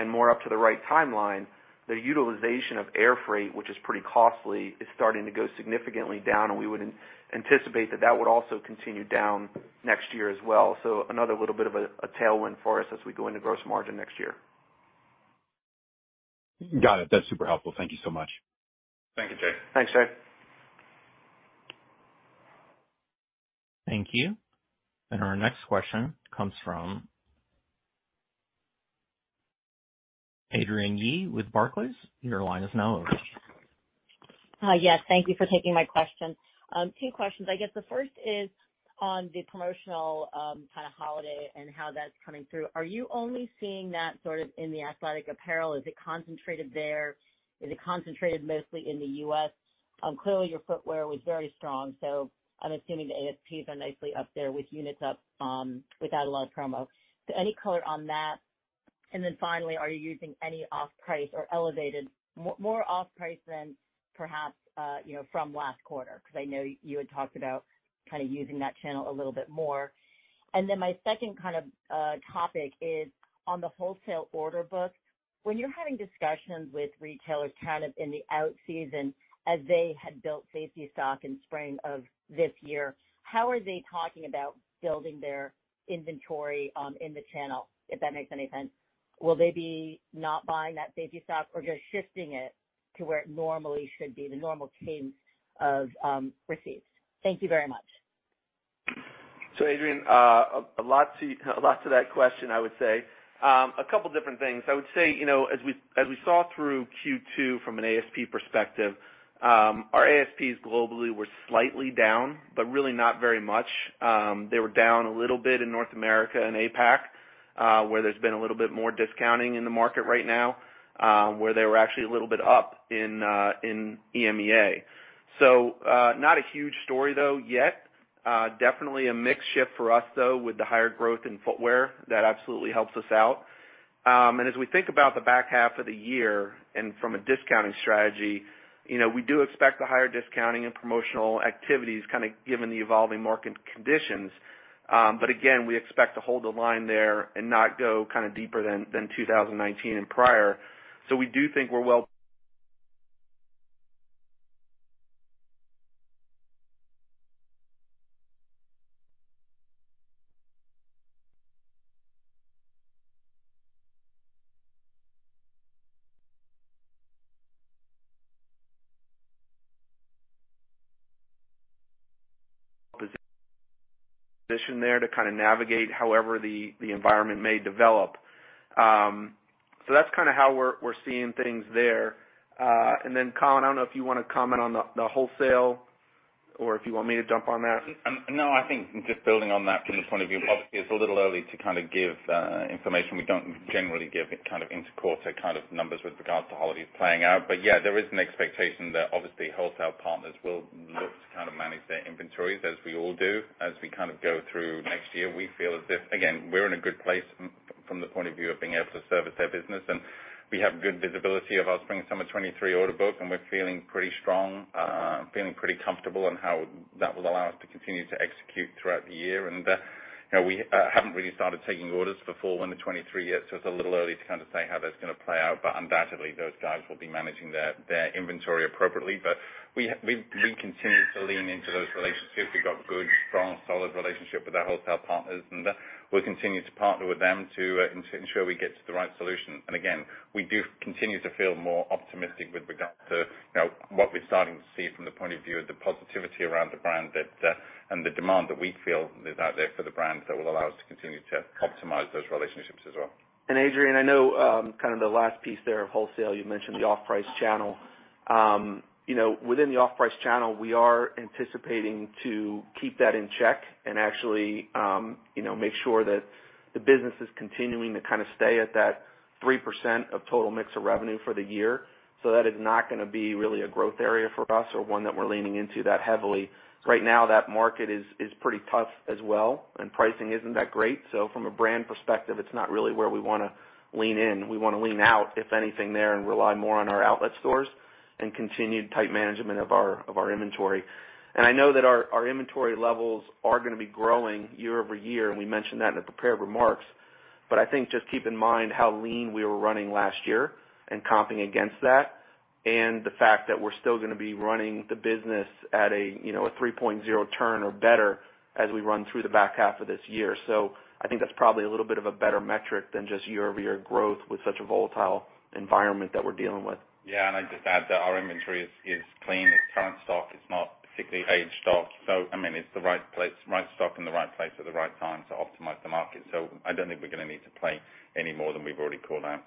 more up to the right timeline, the utilization of air freight, which is pretty costly, is starting to go significantly down, and we would anticipate that that would also continue down next year as well. Another little bit of a tailwind for us as we go into gross margin next year. Got it. That's super helpful. Thank you so much. Thank you, Jay. Thanks, Jay. Thank you. Our next question comes from Adrienne Yih with Barclays. Your line is now open. Hi. Yes, thank you for taking my questions. Two questions. I guess the first is on the promotional, kind of holiday and how that's coming through. Are you only seeing that sort of in the athletic apparel? Is it concentrated there? Is it concentrated mostly in the U.S? Clearly your footwear was very strong, so I'm assuming the ASPs are nicely up there with units up, without a lot of promo. So any color on that? And then finally, are you using any off-price or elevated, more off-price than perhaps, you know, from last quarter? Because I know you had talked about kind of using that channel a little bit more. And then my second kind of topic is on the wholesale order book. When you're having discussions with retailers kind of in the out season as they had built safety stock in spring of this year, how are they talking about building their inventory in the channel? If that makes any sense. Will they be not buying that safety stock or just shifting it to where it normally should be, the normal cadence of receipts? Thank you very much. Adrienne Yih, a lot to that question, I would say. A couple different things. I would say, you know, as we saw through Q2 from an ASP perspective, our ASPs globally were slightly down, but really not very much. They were down a little bit in North America and APAC, where there's been a little bit more discounting in the market right now, where they were actually a little bit up in EMEA. Not a huge story though yet. Definitely a mix shift for us though with the higher growth in footwear. That absolutely helps us out. As we think about the back half of the year and from a discounting strategy, you know, we do expect the higher discounting and promotional activities kind of given the evolving market conditions. Again, we expect to hold the line there and not go kind of deeper than 2019 and prior. We do think we're well positioned there to kind of navigate however the environment may develop. That's kinda how we're seeing things there. Then Colin, I don't know if you wanna comment on the wholesale or if you want me to jump on that. No, I think just building on that from the point of view, obviously it's a little early to kind of give information. We don't generally give kind of inter-quarter kind of numbers with regards to holidays playing out. Yeah, there is an expectation that obviously wholesale partners will look to kind of manage their inventories as we all do as we kind of go through next year. We feel as if, again, we're in a good place from the point of view of being able to service their business, and we have good visibility of our spring/summer 2023 order book, and we're feeling pretty strong, feeling pretty comfortable on how that will allow us to continue to execute throughout the year. You know, we haven't really started taking orders for fall winter 2023 yet, so it's a little early to kind of say how that's gonna play out, but undoubtedly those guys will be managing their inventory appropriately. We continue to lean into those relationships. We've got good, strong, solid relationship with our wholesale partners, and we'll continue to partner with them to ensure we get to the right solution. We do continue to feel more optimistic with regard to, you know, what we're starting to see from the point of view of the positivity around the brand that and the demand that we feel is out there for the brand that will allow us to continue to optimize those relationships as well. Adrienne, I know, kind of the last piece there of wholesale, you mentioned the off-price channel. You know, within the off-price channel, we are anticipating to keep that in check and actually make sure that the business is continuing to kind of stay at that 3% of total mix of revenue for the year. That is not gonna be really a growth area for us or one that we're leaning into that heavily. Right now, that market is pretty tough as well, and pricing isn't that great. From a brand perspective, it's not really where we wanna lean in. We wanna lean out, if anything there, and rely more on our outlet stores and continue tight management of our inventory. I know that our inventory levels are gonna be growing year-over-year, and we mentioned that in the prepared remarks. I think just keep in mind how lean we were running last year and comping against that, and the fact that we're still gonna be running the business at a, you know, a 3.0 turn or better as we run through the back half of this year. I think that's probably a little bit of a better metric than just year-over-year growth with such a volatile environment that we're dealing with. Yeah. I'd just add that our inventory is clean. It's current stock. It's not particularly aged stock. I mean, it's the right place, right stock in the right place at the right time to optimize the market. I don't think we're gonna need to play any more than we've already called out.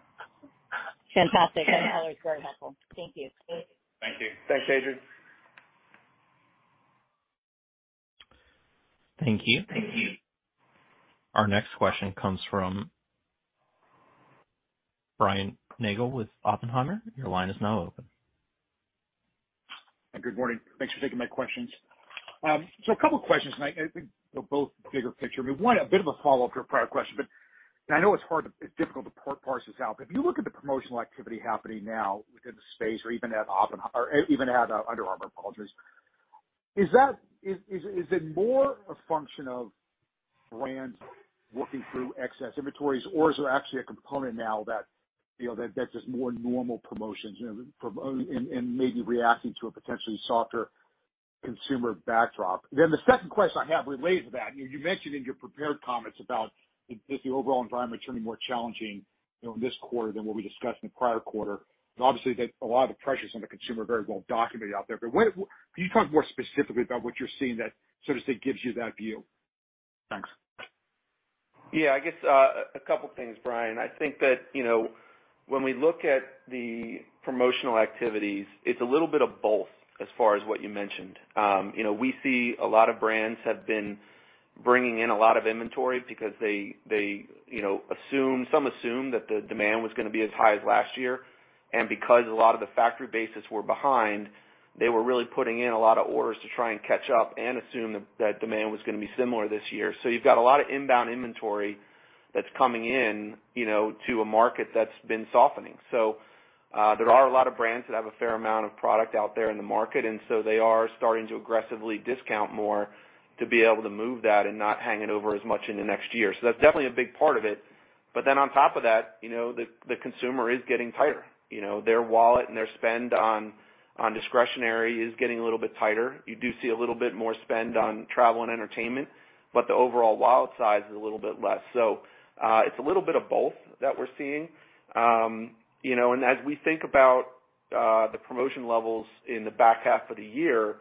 Fantastic. That color is very helpful. Thank you. Thank you. Thanks, Adrienne. Thank you. Our next question comes from Brian Nagel with Oppenheimer. Your line is now open. Good morning. Thanks for taking my questions. So a couple questions, and I think they're both bigger picture. I mean, one, a bit of a follow-up to a prior question, but I know it's hard, it's difficult to parse this out. But if you look at the promotional activity happening now within the space or even at Under Armour, apologies, is that? Is it more a function of brands working through excess inventories, or is there actually a component now that, you know, that's just more normal promotions, you know, promotions and maybe reacting to a potentially softer consumer backdrop? The second question I have related to that, you know, you mentioned in your prepared comments about if the overall environment is turning more challenging, you know, in this quarter than what we discussed in the prior quarter, and obviously that a lot of the pressures on the consumer are very well documented out there. But what can you talk more specifically about what you're seeing that, so to say, gives you that view? Thanks. Yeah. I guess a couple things, Brian. I think that, you know, when we look at the promotional activities, it's a little bit of both as far as what you mentioned. You know, we see a lot of brands have been bringing in a lot of inventory because they, you know, some assume that the demand was gonna be as high as last year. Because a lot of the factory bases were behind, they were really putting in a lot of orders to try and catch up and assume that that demand was gonna be similar this year. You've got a lot of inbound inventory that's coming in, you know, to a market that's been softening. There are a lot of brands that have a fair amount of product out there in the market, and so they are starting to aggressively discount more to be able to move that and not hang it over as much in the next year. That's definitely a big part of it. But then on top of that, you know, the consumer is getting tighter. You know, their wallet and their spend on discretionary is getting a little bit tighter. You do see a little bit more spend on travel and entertainment, but the overall wallet size is a little bit less. It's a little bit of both that we're seeing. You know, as we think about the promotion levels in the back half of the year,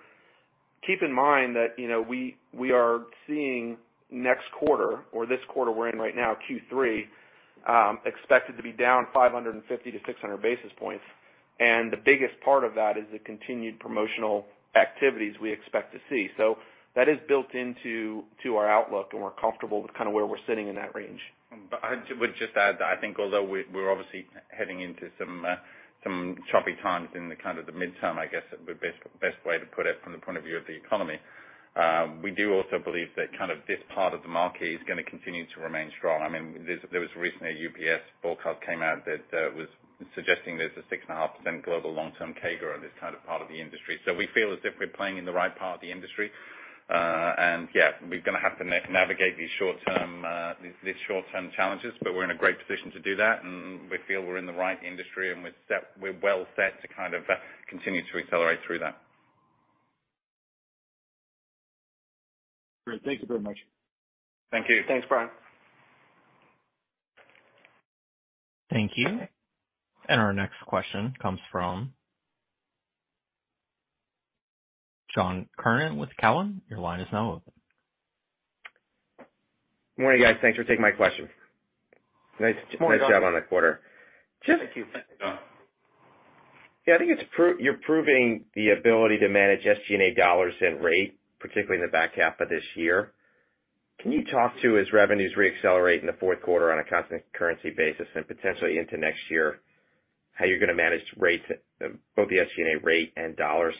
keep in mind that, you know, we are seeing next quarter or this quarter we're in right now, Q3, expected to be down 550-600 basis points. The biggest part of that is the continued promotional activities we expect to see. That is built into our outlook, and we're comfortable with kinda where we're sitting in that range. I would just add that I think although we're obviously heading into some choppy times in the kind of the midterm, I guess, would be best way to put it from the point of view of the economy, we do also believe that kind of this part of the market is gonna continue to remain strong. I mean, there was recently a UBS forecast came out that was suggesting there's a 6.5% global long-term CAGR on this kind of part of the industry. We feel as if we're playing in the right part of the industry. Yeah, we're gonna have to navigate these short-term challenges, but we're in a great position to do that, and we feel we're in the right industry, and we're well set to kind of continue to accelerate through that. Great. Thank you very much. Thank you. Thanks, Brian. Thank you. Our next question comes from John Kernan with Cowen. Your line is now open. Morning, guys. Thanks for taking my question. Morning, John. Nice job on the quarter. Thank you. Thanks, John. Yeah, I think you're proving the ability to manage SG&A dollars and rate, particularly in the back half of this year. Can you talk to, as revenues reaccelerate in the fourth quarter on a constant currency basis and potentially into next year, how you're gonna manage rates, both the SG&A rate and dollars?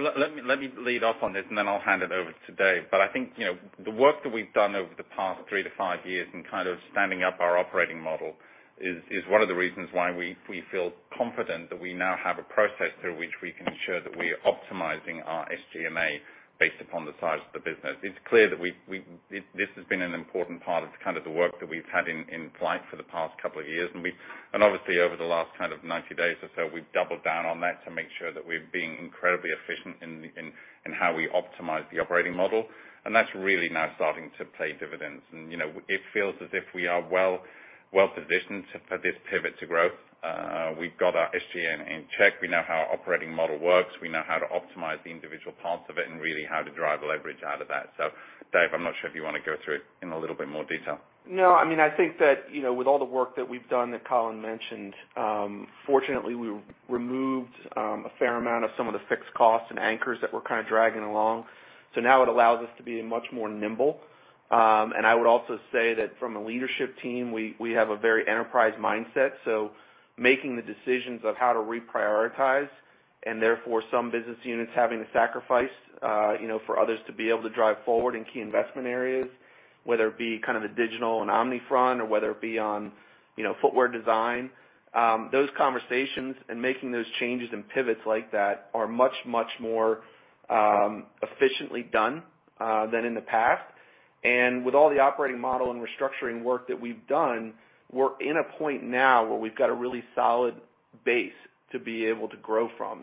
Well, let me lead off on this and then I'll hand it over to David. I think, you know, the work that we've done over the past three-five years in kind of standing up our operating model is one of the reasons why we feel confident that we now have a process through which we can ensure that we are optimizing our SG&A based upon the size of the business. It's clear that this has been an important part of kind of the work that we've had in flight for the past couple of years. Obviously over the last kind of 90 days or so, we've doubled down on that to make sure that we're being incredibly efficient in how we optimize the operating model. That's really now starting to pay dividends. You know, it feels as if we are well, well positioned for this pivot to growth. We've got our SG&A in check. We know how our operating model works. We know how to optimize the individual parts of it and really how to drive leverage out of that. Dave, I'm not sure if you wanna go through it in a little bit more detail. No, I mean, I think that, you know, with all the work that we've done that Colin mentioned, fortunately, we removed a fair amount of some of the fixed costs and anchors that were kinda dragging along. Now it allows us to be much more nimble. I would also say that from a leadership team, we have a very enterprise mindset. Making the decisions of how to reprioritize, and therefore, some business units having to sacrifice, you know, for others to be able to drive forward in key investment areas, whether it be kind of the digital and omnichannel or whether it be on, you know, footwear design. Those conversations and making those changes and pivots like that are much, much more efficiently done than in the past. With all the operating model and restructuring work that we've done, we're in a point now where we've got a really solid base to be able to grow from.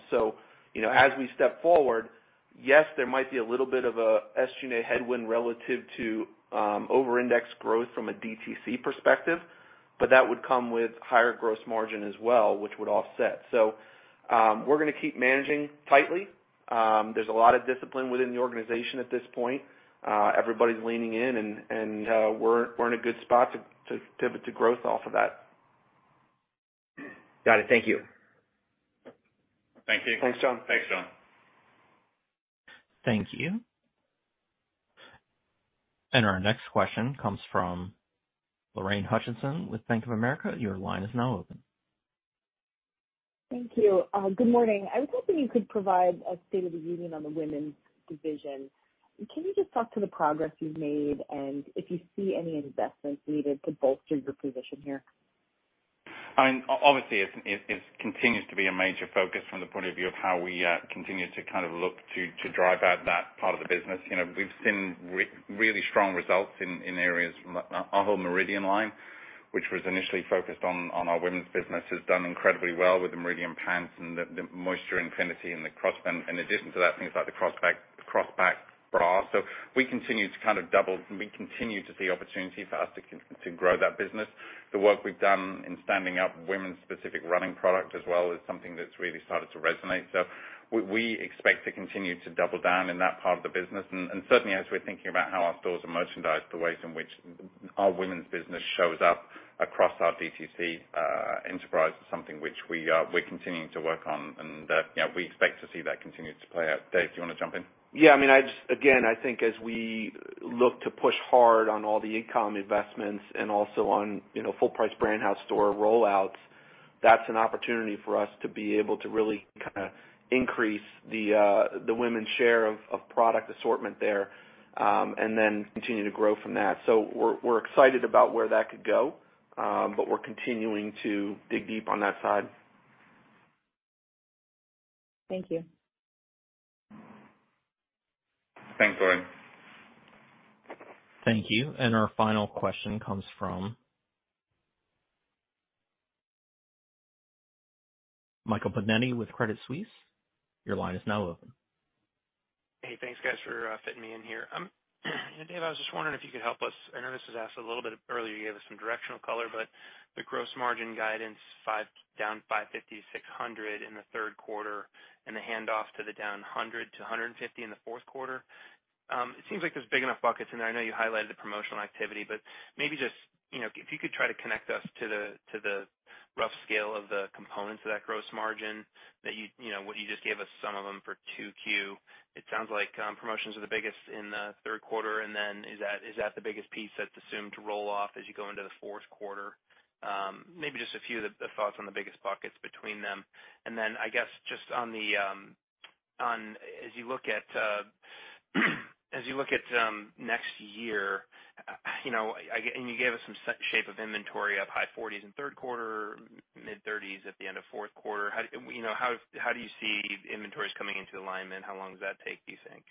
You know, as we step forward, yes, there might be a little bit of a SG&A headwind relative to over-index growth from a DTC perspective, but that would come with higher gross margin as well, which would offset. We're gonna keep managing tightly. There's a lot of discipline within the organization at this point. Everybody's leaning in and we're in a good spot to pivot to growth off of that. Got it. Thank you. Thank you. Thanks, John. Thanks, John. Thank you. Our next question comes from Lorraine Hutchinson with Bank of America. Your line is now open. Thank you. Good morning. I was hoping you could provide a state of the union on the women's division. Can you just talk to the progress you've made and if you see any investments needed to bolster your position here? I mean, obviously, it continues to be a major focus from the point of view of how we continue to kind of look to drive out that part of the business. You know, we've seen really strong results in areas from our whole Meridian line, which was initially focused on our women's business, has done incredibly well with the Meridian pants and the Motion Infinity and the Crossback. In addition to that, things like the Crossback bra. We continue to kind of double and we continue to see opportunity for us to grow that business. The work we've done in standing up women's specific running product as well is something that's really started to resonate. We expect to continue to double down in that part of the business. Certainly as we're thinking about how our stores are merchandised, the ways in which our women's business shows up across our DTC enterprise is something which we're continuing to work on. You know, we expect to see that continue to play out. Dave, do you wanna jump in? Yeah, I mean, I just again, I think as we look to push hard on all the e-com investments and also on, you know, full price brand house store rollouts, that's an opportunity for us to be able to really kinda increase the women's share of product assortment there, and then continue to grow from that. We're excited about where that could go, but we're continuing to dig deep on that side. Thank you. Thanks, Lorraine. Thank you. Our final question comes from Michael Binetti with Credit Suisse. Your line is now open. Hey, thanks guys for fitting me in here. You know, Dave, I was just wondering if you could help us. I know this was asked a little bit earlier, you gave us some directional color, but the gross margin guidance down 550-600 in the third quarter and the hand off to the down 100-150 in the fourth quarter. It seems like there's big enough buckets in there. I know you highlighted the promotional activity, but maybe just, you know, if you could try to connect us to the rough scale of the components of that gross margin that you. You know, what you just gave us some of them for 2Q. It sounds like promotions are the biggest in the third quarter. Is that the biggest piece that's assumed to roll off as you go into the fourth quarter? Maybe just a few of the thoughts on the biggest buckets between them. I guess just on the, as you look at next year, you know, and you gave us some shape of inventory up high 40s in third quarter, mid-30s at the end of fourth quarter. How, you know, do you see inventories coming into alignment? How long does that take, do you think?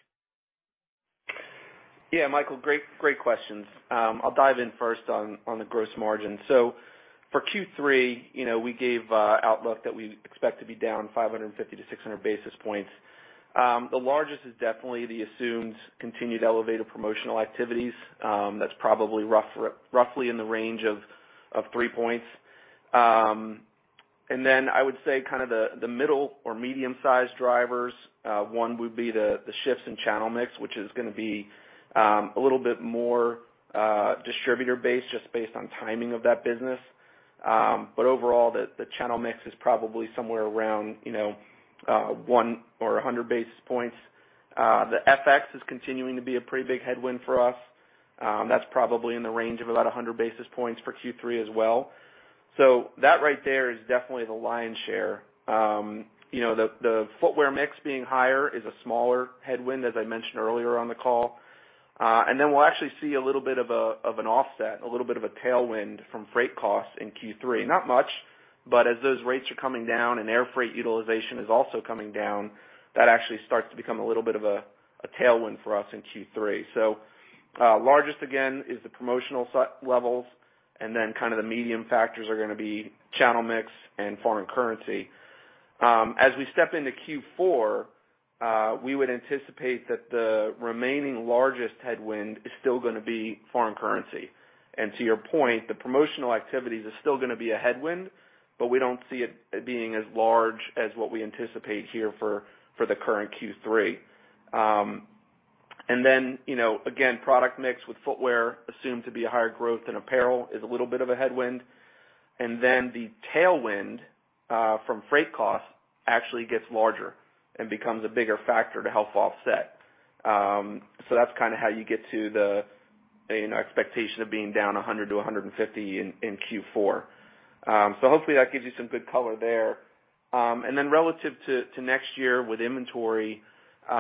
Yeah, Michael, great questions. I'll dive in first on the gross margin. For Q3, we gave outlook that we expect to be down 550-600 basis points. The largest is definitely the assumed continued elevated promotional activities. That's probably roughly in the range of 3 points. And then I would say kind of the middle or medium sized drivers, one would be the shifts in channel mix, which is gonna be a little bit more distributor based, just based on timing of that business. Overall, the channel mix is probably somewhere around 1 or 100 basis points. The FX is continuing to be a pretty big headwind for us. That's probably in the range of about 100 basis points for Q3 as well. That right there is definitely the lion's share. You know, the footwear mix being higher is a smaller headwind, as I mentioned earlier on the call. We'll actually see a little bit of an offset, a little bit of a tailwind from freight costs in Q3. Not much, but as those rates are coming down and air freight utilization is also coming down, that actually starts to become a little bit of a tailwind for us in Q3. Largest again is the promotional spend levels, and then kind of the medium factors are gonna be channel mix and foreign currency. As we step into Q4, we would anticipate that the remaining largest headwind is still gonna be foreign currency. To your point, the promotional activities are still gonna be a headwind, but we don't see it being as large as what we anticipate here for the current Q3. Then, you know, again, product mix with footwear assumed to be a higher growth, and apparel is a little bit of a headwind. Then the tailwind from freight costs actually gets larger and becomes a bigger factor to help offset. That's kinda how you get to the expectation of being down 100-150 in Q4. Hopefully that gives you some good color there. Relative to next year with inventory, you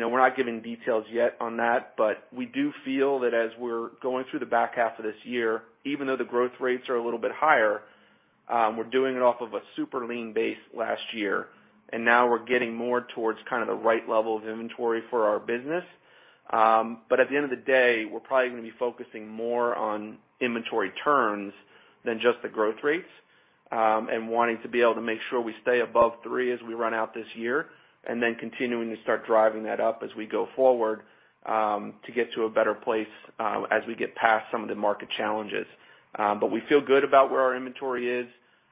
know, we're not giving details yet on that, but we do feel that as we're going through the back half of this year, even though the growth rates are a little bit higher, we're doing it off of a super lean base last year. Now we're getting more towards kind of the right level of inventory for our business. At the end of the day, we're probably gonna be focusing more on inventory turns than just the growth rates, and wanting to be able to make sure we stay above three as we run out this year, and then continuing to start driving that up as we go forward, to get to a better place, as we get past some of the market challenges. We feel good about where our inventory is.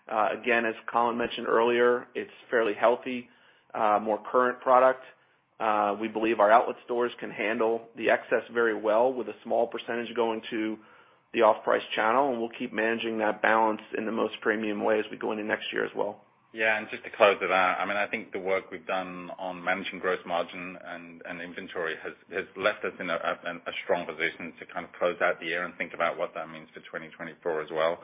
Again, as Colin mentioned earlier, it's fairly healthy, more current product. We believe our outlet stores can handle the excess very well with a small percentage going to the off-price channel, and we'll keep managing that balance in the most premium way as we go into next year as well. Yeah, just to close it out, I mean, I think the work we've done on managing gross margin and inventory has left us in a strong position to kind of close out the year and think about what that means for 2024 as well.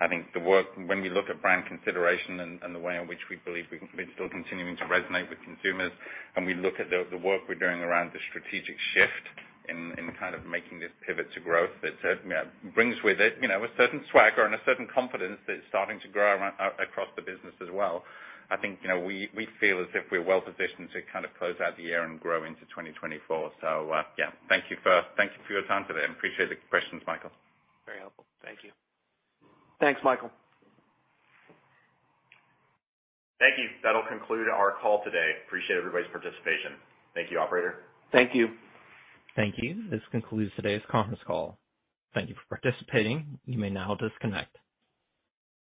I think the work when we look at brand consideration and the way in which we believe we're still continuing to resonate with consumers, and we look at the work we're doing around the strategic shift in kind of making this pivot to growth that, you know, brings with it, you know, a certain swagger and a certain confidence that's starting to grow out across the business as well. I think, you know, we feel as if we're well positioned to kind of close out the year and grow into 2024. Yeah, thank you for your time today, and appreciate the questions, Michael. Very helpful. Thank you. Thanks, Michael. Thank you. That'll conclude our call today. Appreciate everybody's participation. Thank you, operator. Thank you. Thank you. This concludes today's conference call. Thank you for participating. You may now disconnect.